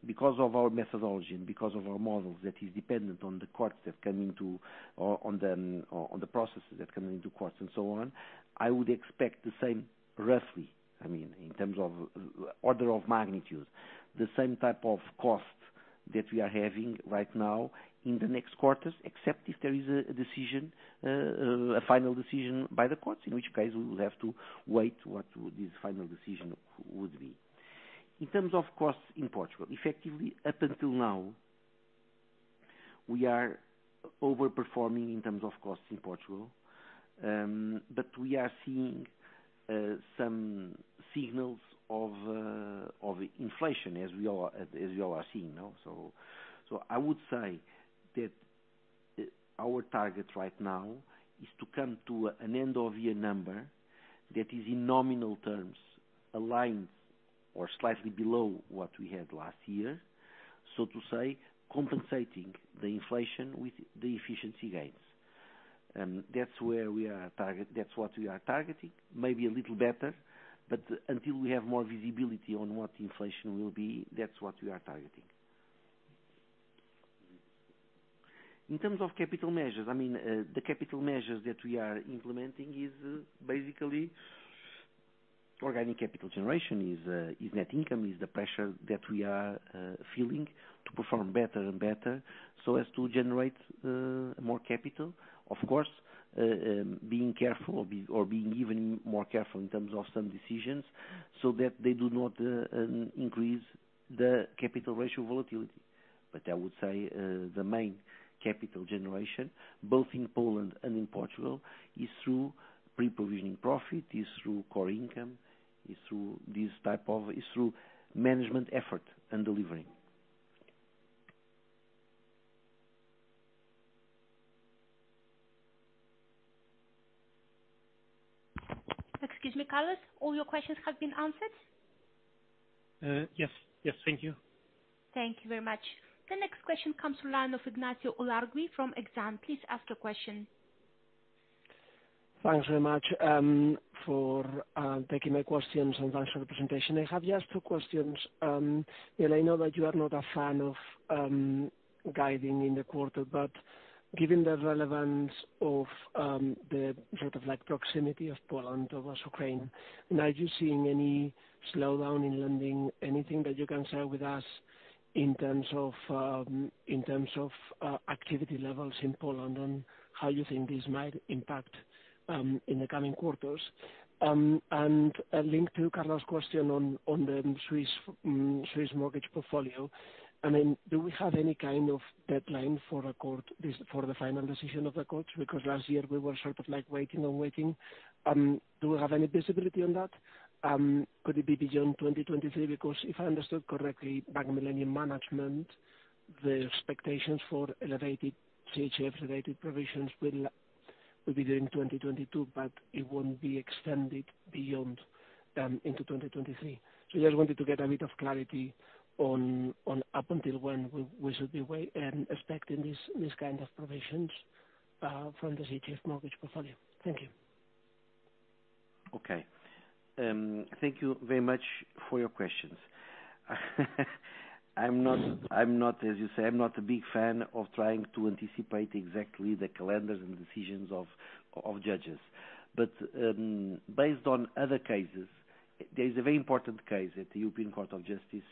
because of our methodology and because of our models that is dependent on the courts that come into the processes that come into courts and so on, I would expect the same, roughly, I mean, in terms of order of magnitude, the same type of cost that we are having right now in the next quarters, except if there is a decision, a final decision by the courts, in which case we will have to wait what would this final decision would be. In terms of costs in Portugal, effectively, up until now, we are over-performing in terms of costs in Portugal, but we are seeing some signals of inflation as we all, as you all are seeing now. I would say that our target right now is to come to an end of year number that is in nominal terms aligned or slightly below what we had last year, so to say, compensating the inflation with the efficiency gains. That's what we are targeting. Maybe a little better, but until we have more visibility on what the inflation will be, that's what we are targeting. In terms of capital measures, the capital measures that we are implementing is basically organic capital generation, net income, the pressure that we are feeling to perform better and better so as to generate more capital. Of course, being careful or being even more careful in terms of some decisions so that they do not increase the capital ratio volatility. I would say the main capital generation, both in Poland and in Portugal, is through pre-provisioning profit, is through core income, is through this type of, is through management effort and delivering. Excuse me, Carlos, all your questions have been answered? Yes. Yes. Thank you. Thank you very much. The next question comes from the line of Ignacio Ulargui from Exane. Please ask your question. Thanks very much for taking my questions, and thanks for the presentation. I have just two questions. Miguel de Bragança, I know that you are not a fan of guiding in the quarter, but given the relevance of the sort of like proximity of Poland over Ukraine, are you seeing any slowdown in lending, anything that you can share with us in terms of activity levels in Poland and how you think this might impact in the coming quarters? A link to Carlos' question on the Swiss mortgage portfolio. Do we have any kind of deadline for the final decision of the court? Because last year we were sort of like waiting and waiting. Do we have any visibility on that? Could it be beyond 2023? Because if I understood correctly, Bank Millennium management, the expectations for elevated CHF related provisions will be during 2022, but it won't be extended beyond into 2023. Just wanted to get a bit of clarity on up until when we should be expecting this kind of provisions from the CHF mortgage portfolio. Thank you. Okay. Thank you very much for your questions. I'm not, as you say, a big fan of trying to anticipate exactly the calendars and decisions of judges. Based on other cases, there is a very important case at the European Court of Justice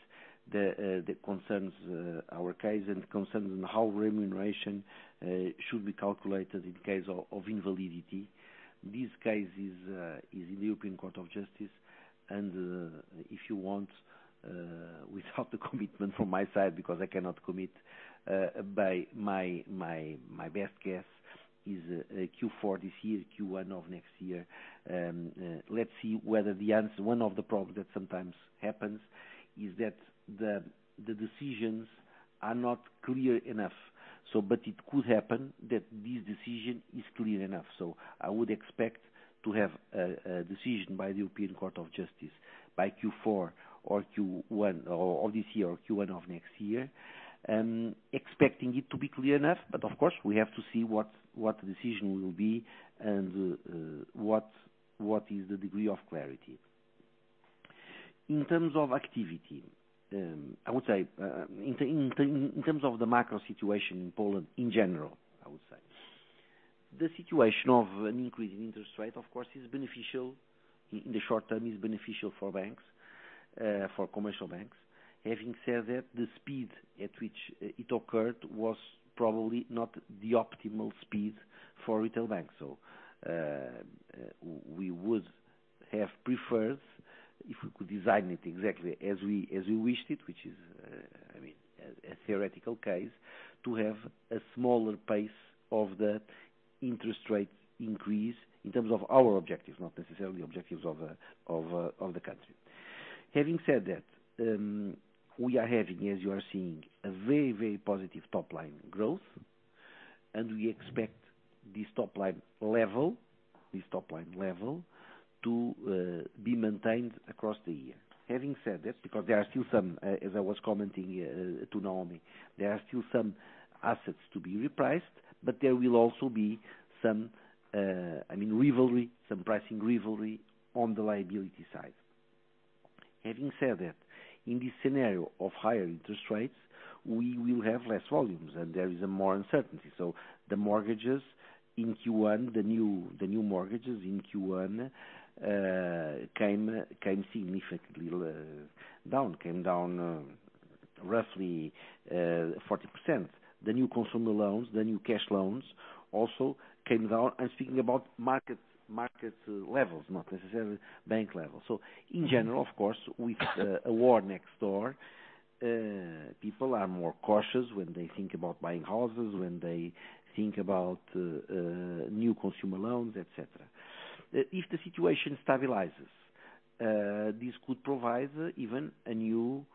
that concerns our case and concerns on how remuneration should be calculated in case of invalidity. This case is in the European Court of Justice, and if you want, without the commitment from my side because I cannot commit, by my best guess is Q4 this year, Q1 of next year. Let's see whether the answer. One of the problems that sometimes happens is that the decisions are not clear enough, so it could happen that this decision is clear enough. I would expect to have a decision by the European Court of Justice by Q4 or Q1 or this year or Q1 of next year, expecting it to be clear enough. Of course, we have to see what the decision will be and what is the degree of clarity. In terms of activity, I would say in terms of the macro situation in Poland in general, I would say the situation of an increase in interest rate, of course, is beneficial, in the short term is beneficial for banks, for commercial banks. Having said that, the speed at which it occurred was probably not the optimal speed for retail banks. We would have preferred, if we could design it exactly as we wished it, which is, I mean, a theoretical case, to have a smaller pace of the interest rate increase in terms of our objectives, not necessarily objectives of the country. Having said that, we are having, as you are seeing, a very positive top line growth, and we expect this top line level to be maintained across the year. Having said that, because there are still some assets to be repriced, as I was commenting to Noemi, but there will also be some, I mean, rivalry, some pricing rivalry on the liability side. Having said that, in this scenario of higher interest rates, we will have less volumes and there is more uncertainty. The new mortgages in Q1 came down significantly, roughly 40%. The new consumer loans, the new cash loans also came down. I'm speaking about market levels, not necessarily bank level. In general, of course, with a war next door, people are more cautious when they think about buying houses, when they think about new consumer loans, et cetera. If the situation stabilizes, this could provide even a new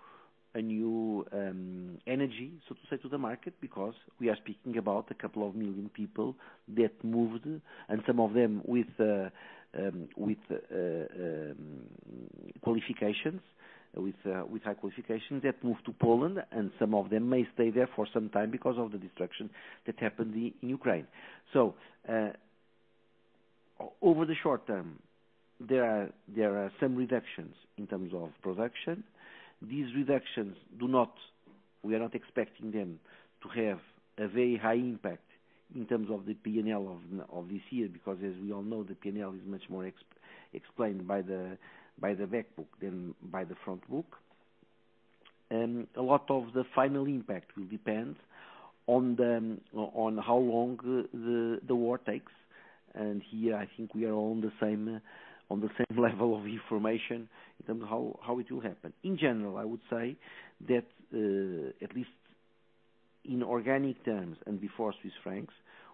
energy, so to say, to the market, because we are speaking about a couple of million people that moved, and some of them with qualifications, with high qualifications that moved to Poland and some of them may stay there for some time because of the destruction that happened in Ukraine. Over the short term, there are some reductions in terms of production. These reductions do not. We are not expecting them to have a very high impact in terms of the P&L of this year because, as we all know, the P&L is much more explained by the back book than by the front book. A lot of the final impact will depend on how long the war takes. Here, I think we are all on the same level of information in terms of how it will happen. In general, I would say that at least in organic terms and before Swiss francs,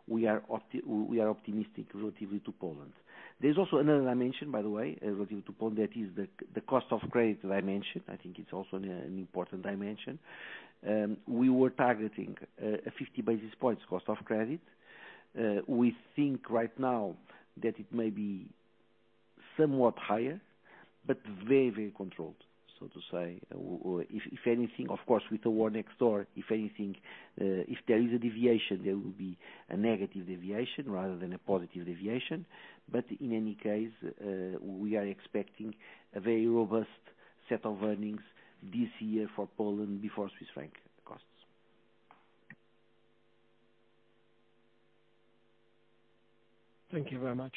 we are optimistic relatively to Poland. There's also another dimension, by the way, relative to Poland, that is the cost of credit dimension. I think it's also an important dimension. We were targeting a 50 basis points cost of credit. We think right now that it may be somewhat higher, but very controlled, so to say. If anything, of course, with the war next door, if anything, if there is a deviation, there will be a negative deviation rather than a positive deviation. In any case, we are expecting a very robust set of earnings this year for Poland before Swiss franc costs. Thank you very much.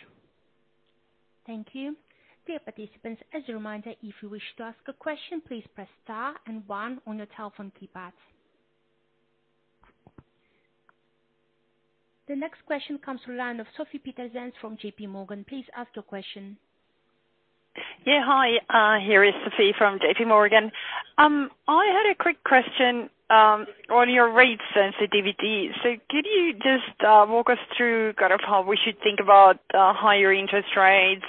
Thank you. Dear participants, as a reminder, if you wish to ask a question, please press star and one on your telephone keypad. The next question comes from the line of Sofie Peterzens from JP Morgan. Please ask your question. Yeah, hi. Here is Sophie from JP Morgan. I had a quick question on your rate sensitivity. Could you just walk us through kind of how we should think about higher interest rates,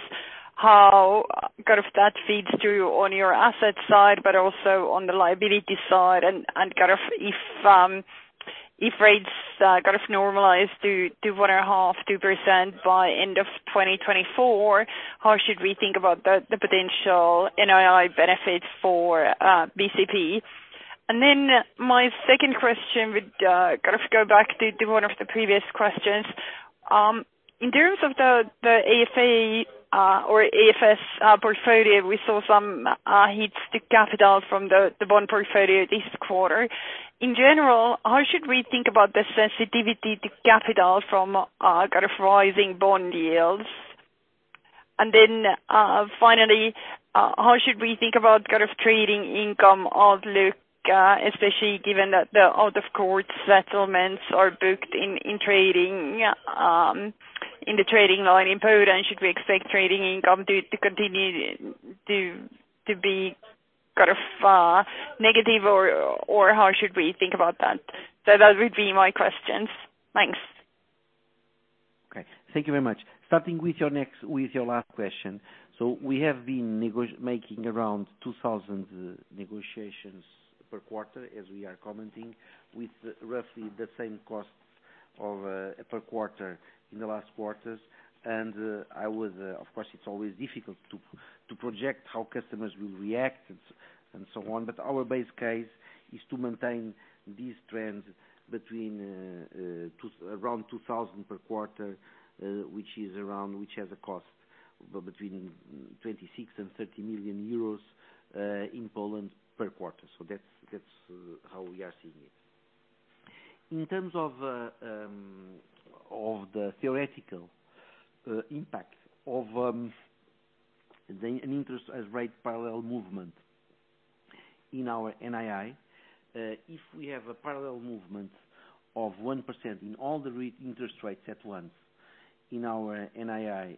how kind of that feeds through on your asset side but also on the liability side and kind of if rates kind of normalize to 1.5%-2% by end of 2024, how should we think about the potential NII benefits for BCP? My second question would kind of go back to one of the previous questions. In terms of the AFS portfolio, we saw some hits to capital from the bond portfolio this quarter. In general, how should we think about the sensitivity to capital from kind of rising bond yields? Finally, how should we think about kind of trading income outlook, especially given that the out of court settlements are booked in trading in the trading line in Poland? Should we expect trading income to continue to be kind of negative or how should we think about that? Those would be my questions. Thanks. Okay, thank you very much. Starting with your last question. We have been making around 2,000 negotiations per quarter as we are commenting, with roughly the same cost per quarter in the last quarters. I would, of course, it's always difficult to project how customers will react and so on, but our base case is to maintain these trends around 2,000 per quarter, which has a cost between 26 million and 30 million euros in Poland per quarter. That's how we are seeing it. In terms of the theoretical impact of an interest rate parallel movement in our NII, if we have a parallel movement of 1% in all the interest rates at once in our NII,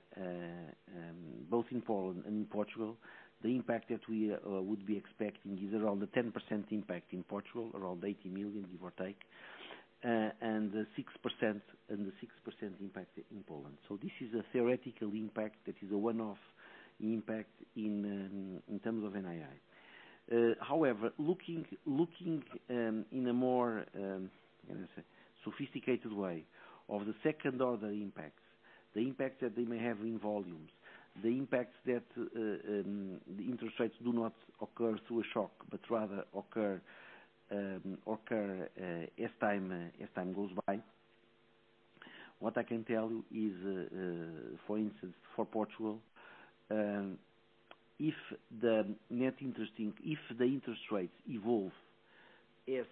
both in Poland and in Portugal, the impact that we would be expecting is around a 10% impact in Portugal, around 80 million give or take, and 6% impact in Poland. This is a theoretical impact that is a one-off impact in terms of NII. However, looking in a more sophisticated way of the second order impacts, the impacts that they may have in volumes, the impacts that the interest rates do not occur through a shock, but rather occur as time goes by. What I can tell you is, for instance, for Portugal, if the interest rates evolve as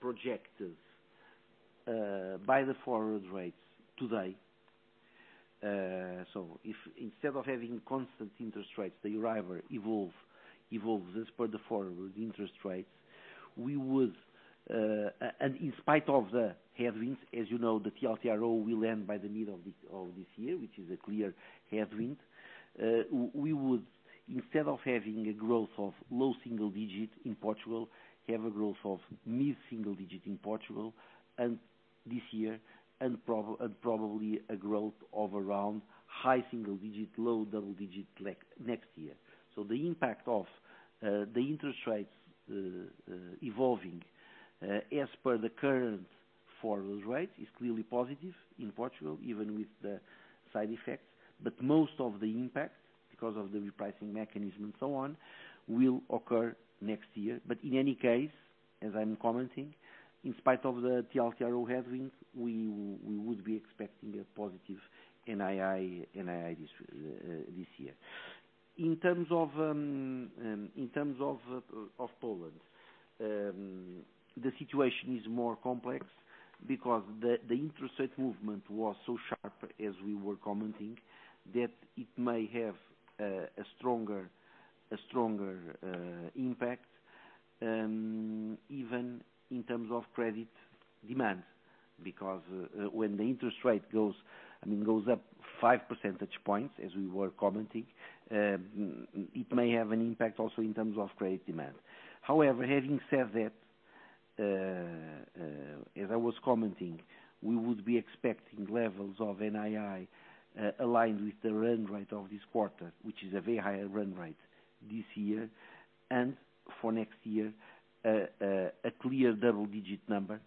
projected by the forward rates today, so if instead of having constant interest rates, the rates evolve, evolves as per the forward interest rates, we would, and in spite of the headwinds, as you know, the TLTRO will end by the middle of this year, which is a clear headwind, we would, instead of having a growth of low single digit in Portugal, have a growth of mid-single digit in Portugal, and this year, and probably a growth of around high single digit, low double digit next year. The impact of the interest rates evolving as per the current forward rate is clearly positive in Portugal, even with the side effects. Most of the impact, because of the repricing mechanism and so on, will occur next year. In any case, as I'm commenting, in spite of the TLTRO headwind, we would be expecting a positive NII this year. In terms of Poland, the situation is more complex because the interest rate movement was so sharp as we were commenting, that it may have a stronger impact even in terms of credit demand, because when the interest rate goes, I mean, goes up five percentage points as we were commenting, it may have an impact also in terms of credit demand. However, having said that, as I was commenting, we would be expecting levels of NII aligned with the run rate of this quarter, which is a very high run rate this year. For next year, a clear double-digit number,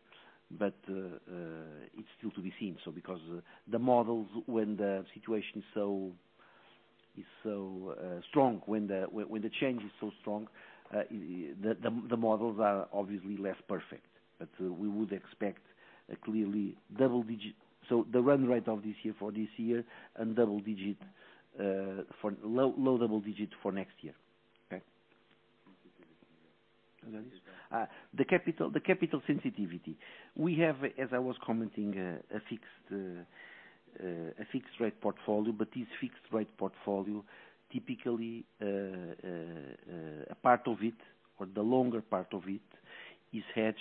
but it's still to be seen. Because the models, when the situation is so strong, when the change is so strong, the models are obviously less perfect. We would expect a clearly double-digit. The run rate of this year for this year and double-digit, for low double-digit for next year. Okay. The capital sensitivity. We have, as I was commenting, a fixed rate portfolio, but this fixed rate portfolio, typically, a part of it or the longer part of it is hedged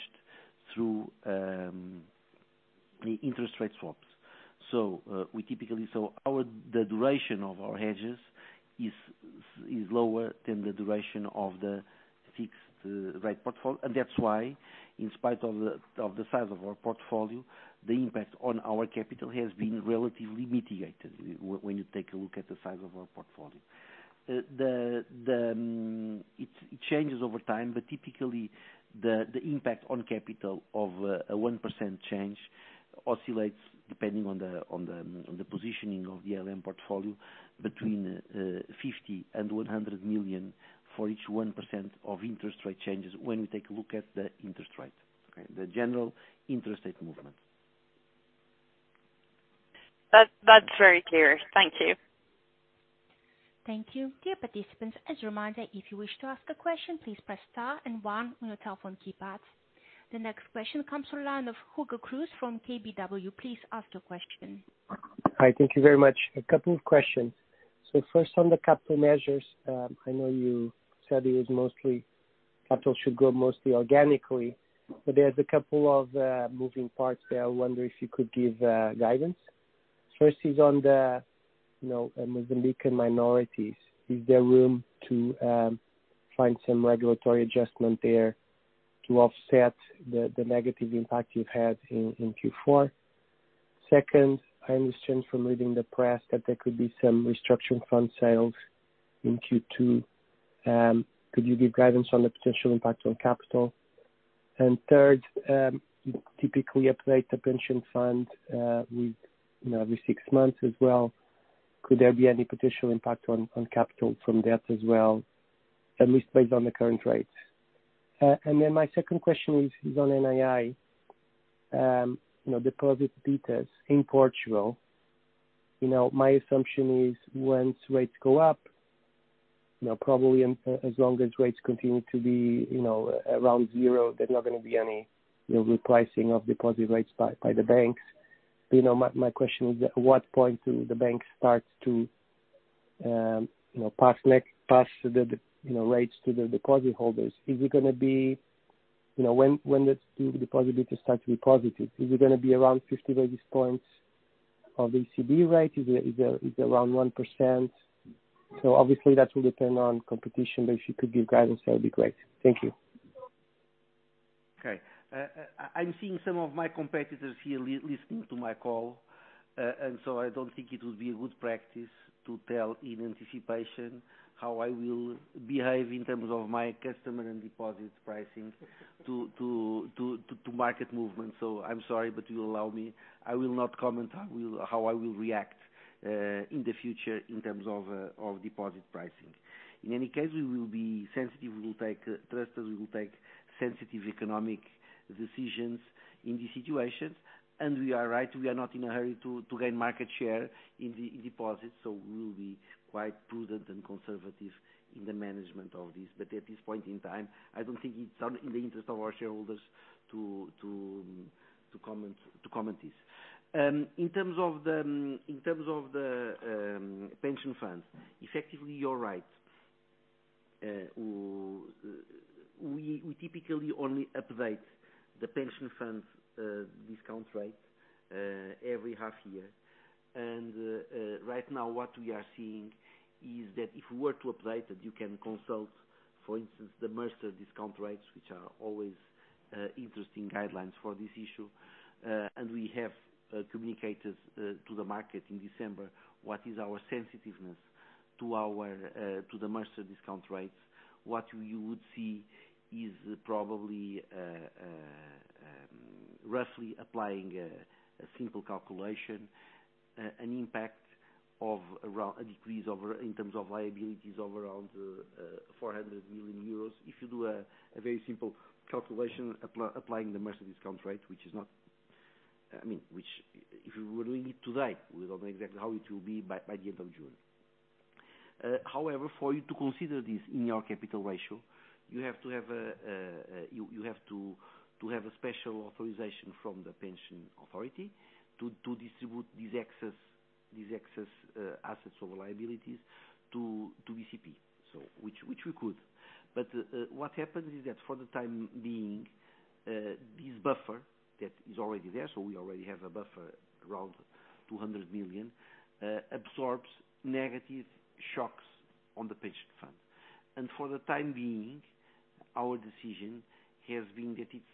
through interest rate swaps. The duration of our hedges is lower than the duration of the fixed rate portfolio and that's why in spite of the size of our portfolio, the impact on our capital has been relatively mitigated when you take a look at the size of our portfolio. It changes over time, but typically the impact on capital of a 1% change oscillates depending on the positioning of the ALM portfolio between 50 million and 100 million for each 1% of interest rate changes when we take a look at the interest rate, okay. The general interest rate movement. That, that's very clear. Thank you. Thank you. Dear participants, as a reminder, if you wish to ask a question, please press star and one on your telephone keypads. The next question comes from the line of Hugo Cruz from KBW. Please ask your question. Hi. Thank you very much. A couple of questions. First on the capital measures, I know you said it was mostly capital should grow mostly organically, but there's a couple of moving parts there. I wonder if you could give guidance. First is on the you know Mozambican minorities. Is there room to find some regulatory adjustment there to offset the negative impact you've had in Q4? Second, I understand from reading the press that there could be some restructuring fund sales in Q2. Could you give guidance on the potential impact on capital? Third, you typically update the pension fund with you know every six months as well. Could there be any potential impact on capital from that as well, at least based on the current rates? Then my second question is on NII. You know, deposit betas in Portugal. You know, my assumption is once rates go up, you know, probably as long as rates continue to be, you know, around zero, there's not gonna be any, you know, repricing of deposit rates by the banks. You know, my question is, at what point do the banks start to, you know, pass on the rates to the deposit holders? Is it gonna be you know, when the deposit betas start to be positive, is it gonna be around 50 basis points of the ECB rate? Is it around 1%? Obviously, that will depend on competition, but if you could give guidance, that would be great. Thank you. Okay. I'm seeing some of my competitors here listening to my call, and so I don't think it would be a good practice to tell in anticipation how I will behave in terms of my customer and deposit pricing to market movement. I'm sorry, but you'll allow me. I will not comment how I will react in the future in terms of deposit pricing. In any case, we will be sensitive. We will take trust as we will take sensitive economic decisions in these situations. We are right, we are not in a hurry to gain market share in the deposits, so we will be quite prudent and conservative in the management of this. At this point in time, I don't think it's in the interest of our shareholders to comment this. In terms of the pension funds, effectively, you're right. We typically only update the pension funds discount rate every half year. Right now, what we are seeing is that if we were to update that, you can consult, for instance, the Mercer discount rates, which are always interesting guidelines for this issue. We have communicated to the market in December what is our sensitiveness to the Mercer discount rates. What you would see is probably roughly applying a simple calculation an impact of around a decrease over in terms of liabilities of around 400 million euros. If you do a very simple calculation applying the Mercer discount rate, which is not, I mean, which if you were doing it today, we don't know exactly how it will be by the end of June. However, for you to consider this in your capital ratio, you have to have a special authorization from the pension authority to distribute these excess assets or liabilities to BCP, so which we could. What happens is that for the time being, this buffer that is already there, so we already have a buffer around 200 million, absorbs negative shocks on the pension fund. For the time being, our decision has been that it's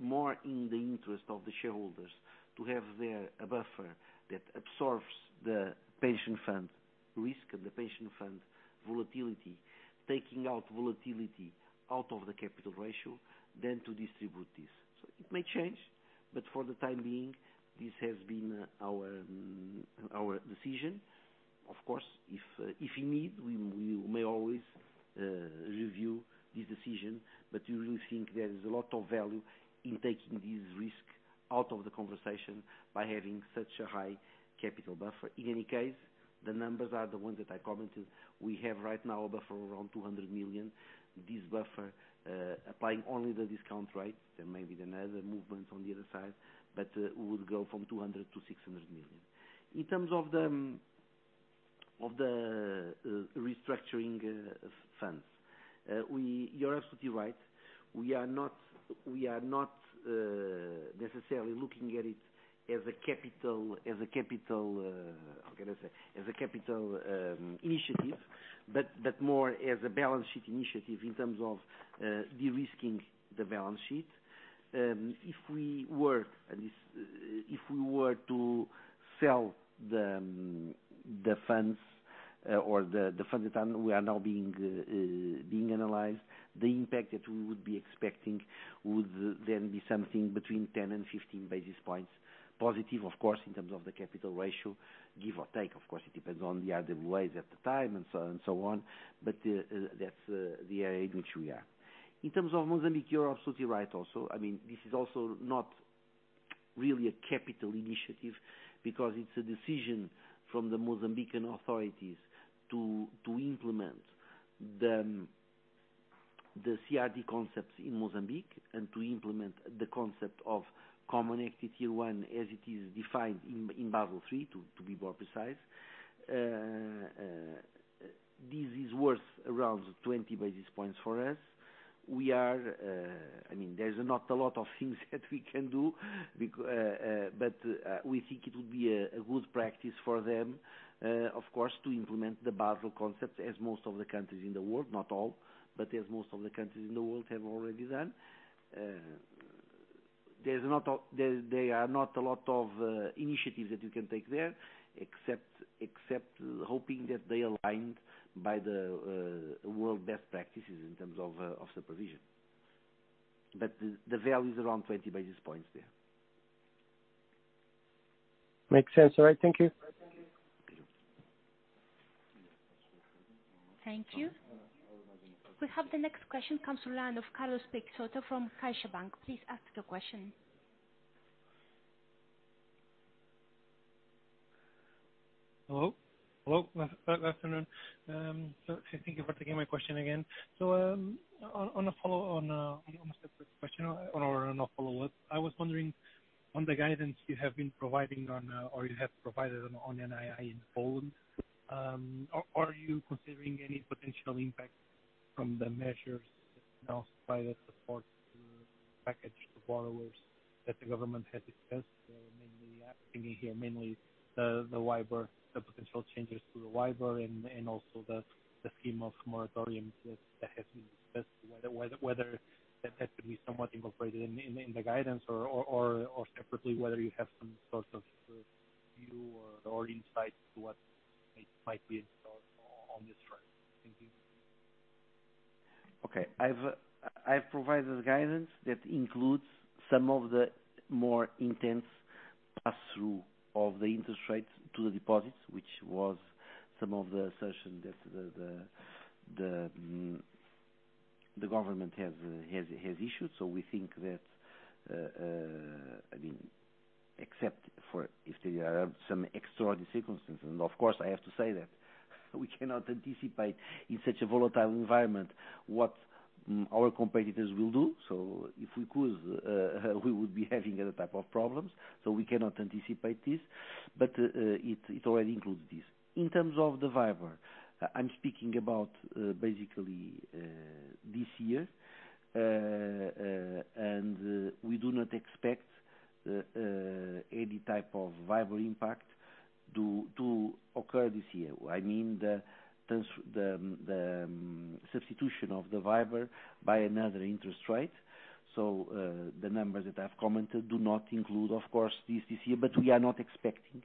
more in the interest of the shareholders to have there a buffer that absorbs the pension fund risk and the pension fund volatility, taking out volatility out of the capital ratio than to distribute this. It may change, but for the time being, this has been our decision. Of course, if you need, we may always review this decision, but we really think there is a lot of value in taking this risk out of the conversation by having such a high capital buffer. In any case, the numbers are the ones that I commented. We have right now a buffer around 200 million. This buffer, applying only the discount rates, and maybe then other movements on the other side, but we would go from 200 million to 600 million. In terms of the restructuring funds, you're absolutely right. We are not necessarily looking at it as a capital initiative, but more as a balance sheet initiative in terms of de-risking the balance sheet. If we were to sell the funds or the funds that are now being analyzed, the impact that we would be expecting would then be something between 10 and 15 basis points positive, of course, in terms of the capital ratio, give or take. Of course, it depends on the RWA at the time and so on, but that's the area in which we are. In terms of Mozambique, you're absolutely right also. I mean, this is also not really a capital initiative because it's a decision from the Mozambican authorities to implement the CRD concepts in Mozambique and to implement the concept of Common Equity Tier 1 as it is defined in Basel III, to be more precise. This is worth around 20 basis points for us. We are, I mean, there's not a lot of things that we can do, but we think it would be a good practice for them, of course, to implement the Basel concepts as most of the countries in the world, not all, but as most of the countries in the world have already done. There are not a lot of initiatives that you can take there, except hoping that they align with the world's best practices in terms of supervision. The value is around 20 basis points there. Makes sense. All right. Thank you. Thank you. Thank you. We have the next question comes from the line of Carlos Peixoto from CaixaBank. Please ask your question. Hello. Hello. Good afternoon. Thank you for taking my question again. On a follow-up, I was wondering on the guidance you have provided on NII in Poland. Are you considering any potential impact from the measures announced by the support package to borrowers that the government has discussed, mainly the potential changes to the WIBOR and also the scheme of moratoriums that has been discussed? Whether that has to be somewhat incorporated in the guidance or separately, whether you have some sort of view or insight to what it might be on this front. Thank you. Okay. I've provided the guidance that includes some of the more intense pass-through of the interest rates to the deposits, which was some of the assertion that the government has issued. We think that I mean except for if there are some extraordinary circumstances, and of course, I have to say that we cannot anticipate in such a volatile environment what our competitors will do. If we could, we would be having other type of problems, so we cannot anticipate this, but it already includes this. In terms of the WIBOR, I'm speaking about basically this year, and we do not expect any type of WIBOR impact to occur this year. I mean, the substitution of the WIBOR by another interest rate. The numbers that I've commented do not include, of course, this year, but we are not expecting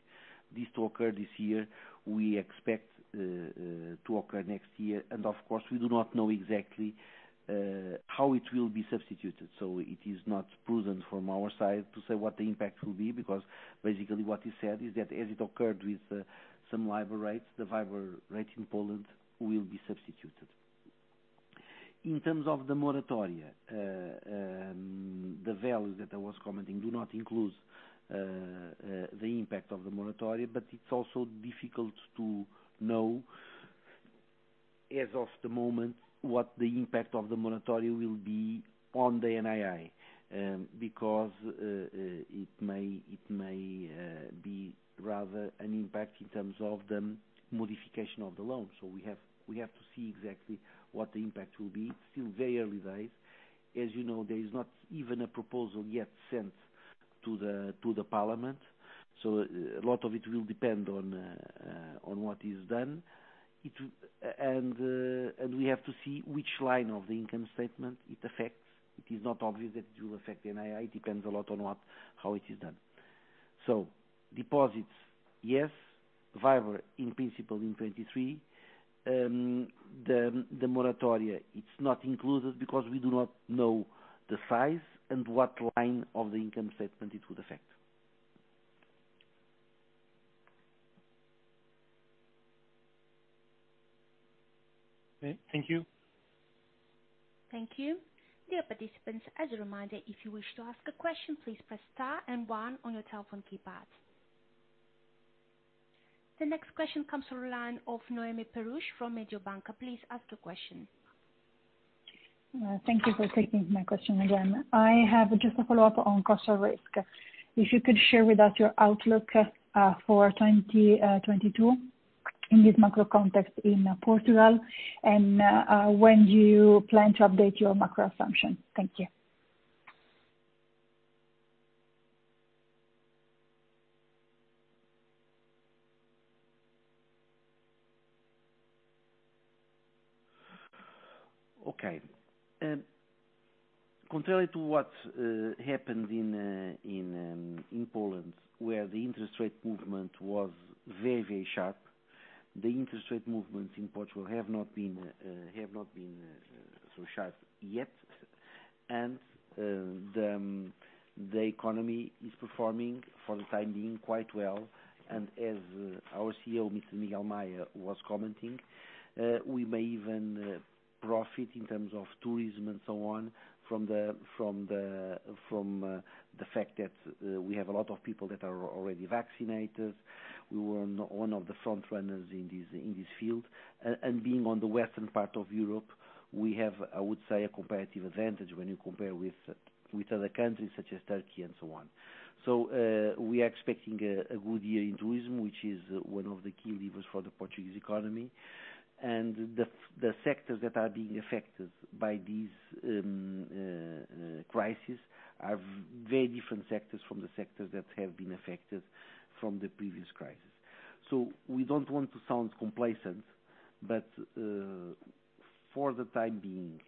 this to occur this year. We expect to occur next year. Of course, we do not know exactly how it will be substituted. It is not prudent from our side to say what the impact will be because basically what you said is that as it occurred with some WIBOR rates, the WIBOR rate in Poland will be substituted. In terms of the moratoria, the values that I was commenting do not include the impact of the moratoria, but it's also difficult to know as of the moment what the impact of the moratoria will be on the NII, because it may be rather an impact in terms of the modification of the loan. We have to see exactly what the impact will be. It's still very early days. As you know, there is not even a proposal yet sent to the parliament, so a lot of it will depend on what is done. We have to see which line of the income statement it affects. It is not obvious that it will affect the NII. It depends a lot on what, how it is done. Deposits, yes, WIBOR in principle in 2023. The moratoria, it's not included because we do not know the size and what line of the income statement it would affect. Thank you. Thank you. Dear participants, as a reminder, if you wish to ask a question, please press star and one on your telephone keypad. The next question comes from the line of Noemi Peruch from Mediobanca. Please ask your question. Thank you for taking my question again. I have just a follow-up on cost of risk. If you could share with us your outlook for 2022 in this macro context in Portugal, and when do you plan to update your macro assumption? Thank you. Okay. Contrary to what happened in Poland, where the interest rate movement was very sharp, the interest rate movements in Portugal have not been so sharp yet. The economy is performing for the time being quite well, and as our CEO, Mr. Miguel Maya was commenting, we may even profit in terms of tourism and so on from the fact that we have a lot of people that are already vaccinated. We were one of the front runners in this field. Being on the western part of Europe, we have, I would say, a competitive advantage when you compare with other countries such as Turkey and so on. We are expecting a good year in tourism, which is one of the key levers for the Portuguese economy. The sectors that are being affected by this crisis are very different sectors from the sectors that have been affected from the previous crisis. We don't want to sound complacent, but for the time being,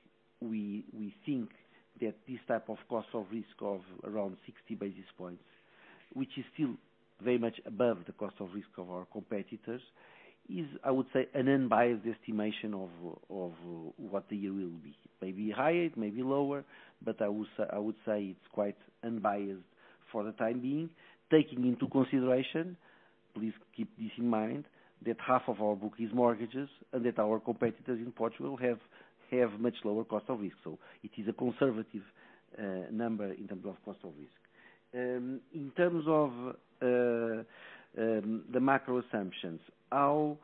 we think that this type of cost of risk of around 60 basis points, which is still very much above the cost of risk of our competitors, is, I would say, an unbiased estimation of what the year will be. Maybe higher, maybe lower, but I would say it's quite unbiased for the time being. Taking into consideration, please keep this in mind, that half of our book is mortgages and that our competitors in Portugal have much lower cost of risk. It is a conservative number in terms of cost of risk. In terms of the macro assumptions, our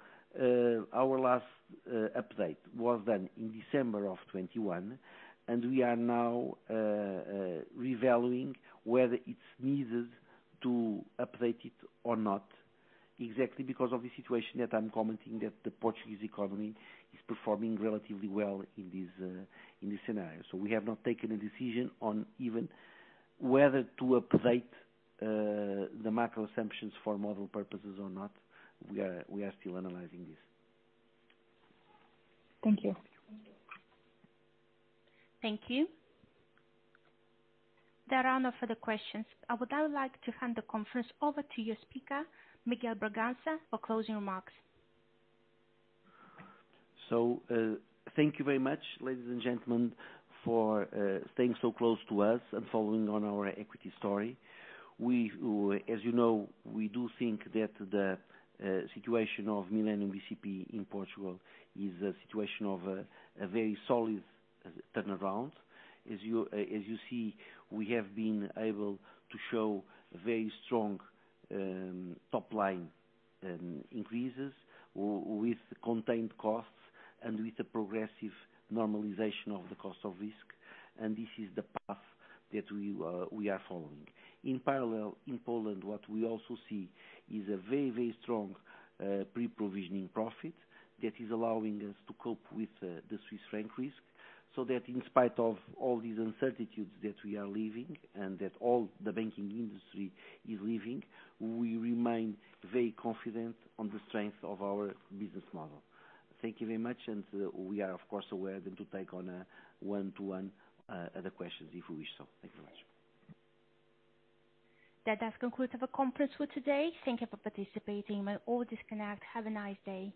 last update was done in December of 2021, and we are now revaluing whether it is needed to update it or not, exactly because of the situation that I am commenting that the Portuguese economy is performing relatively well in this scenario. We have not taken a decision on even whether to update the macro assumptions for model purposes or not. We are still analyzing this. Thank you. Thank you. There are no further questions. I would now like to hand the conference over to your speaker, Miguel de Bragança, for closing remarks. Thank you very much, ladies and gentlemen, for staying so close to us and following on our equity story. As you know, we do think that the situation of Millennium bcp in Portugal is a situation of a very solid turnaround. As you see, we have been able to show very strong top line increases with contained costs and with the progressive normalization of the cost of risk, and this is the path that we are following. In parallel, in Poland, what we also see is a very, very strong pre-provisioning profit that is allowing us to cope with the Swiss franc risk, so that in spite of all these uncertainties that we are living and that all the banking industry is living, we remain very confident on the strength of our business model. Thank you very much. We are of course available to take on a one-to-one, other questions if you wish so. Thank you very much. That does conclude our conference for today. Thank you for participating. You may all disconnect. Have a nice day.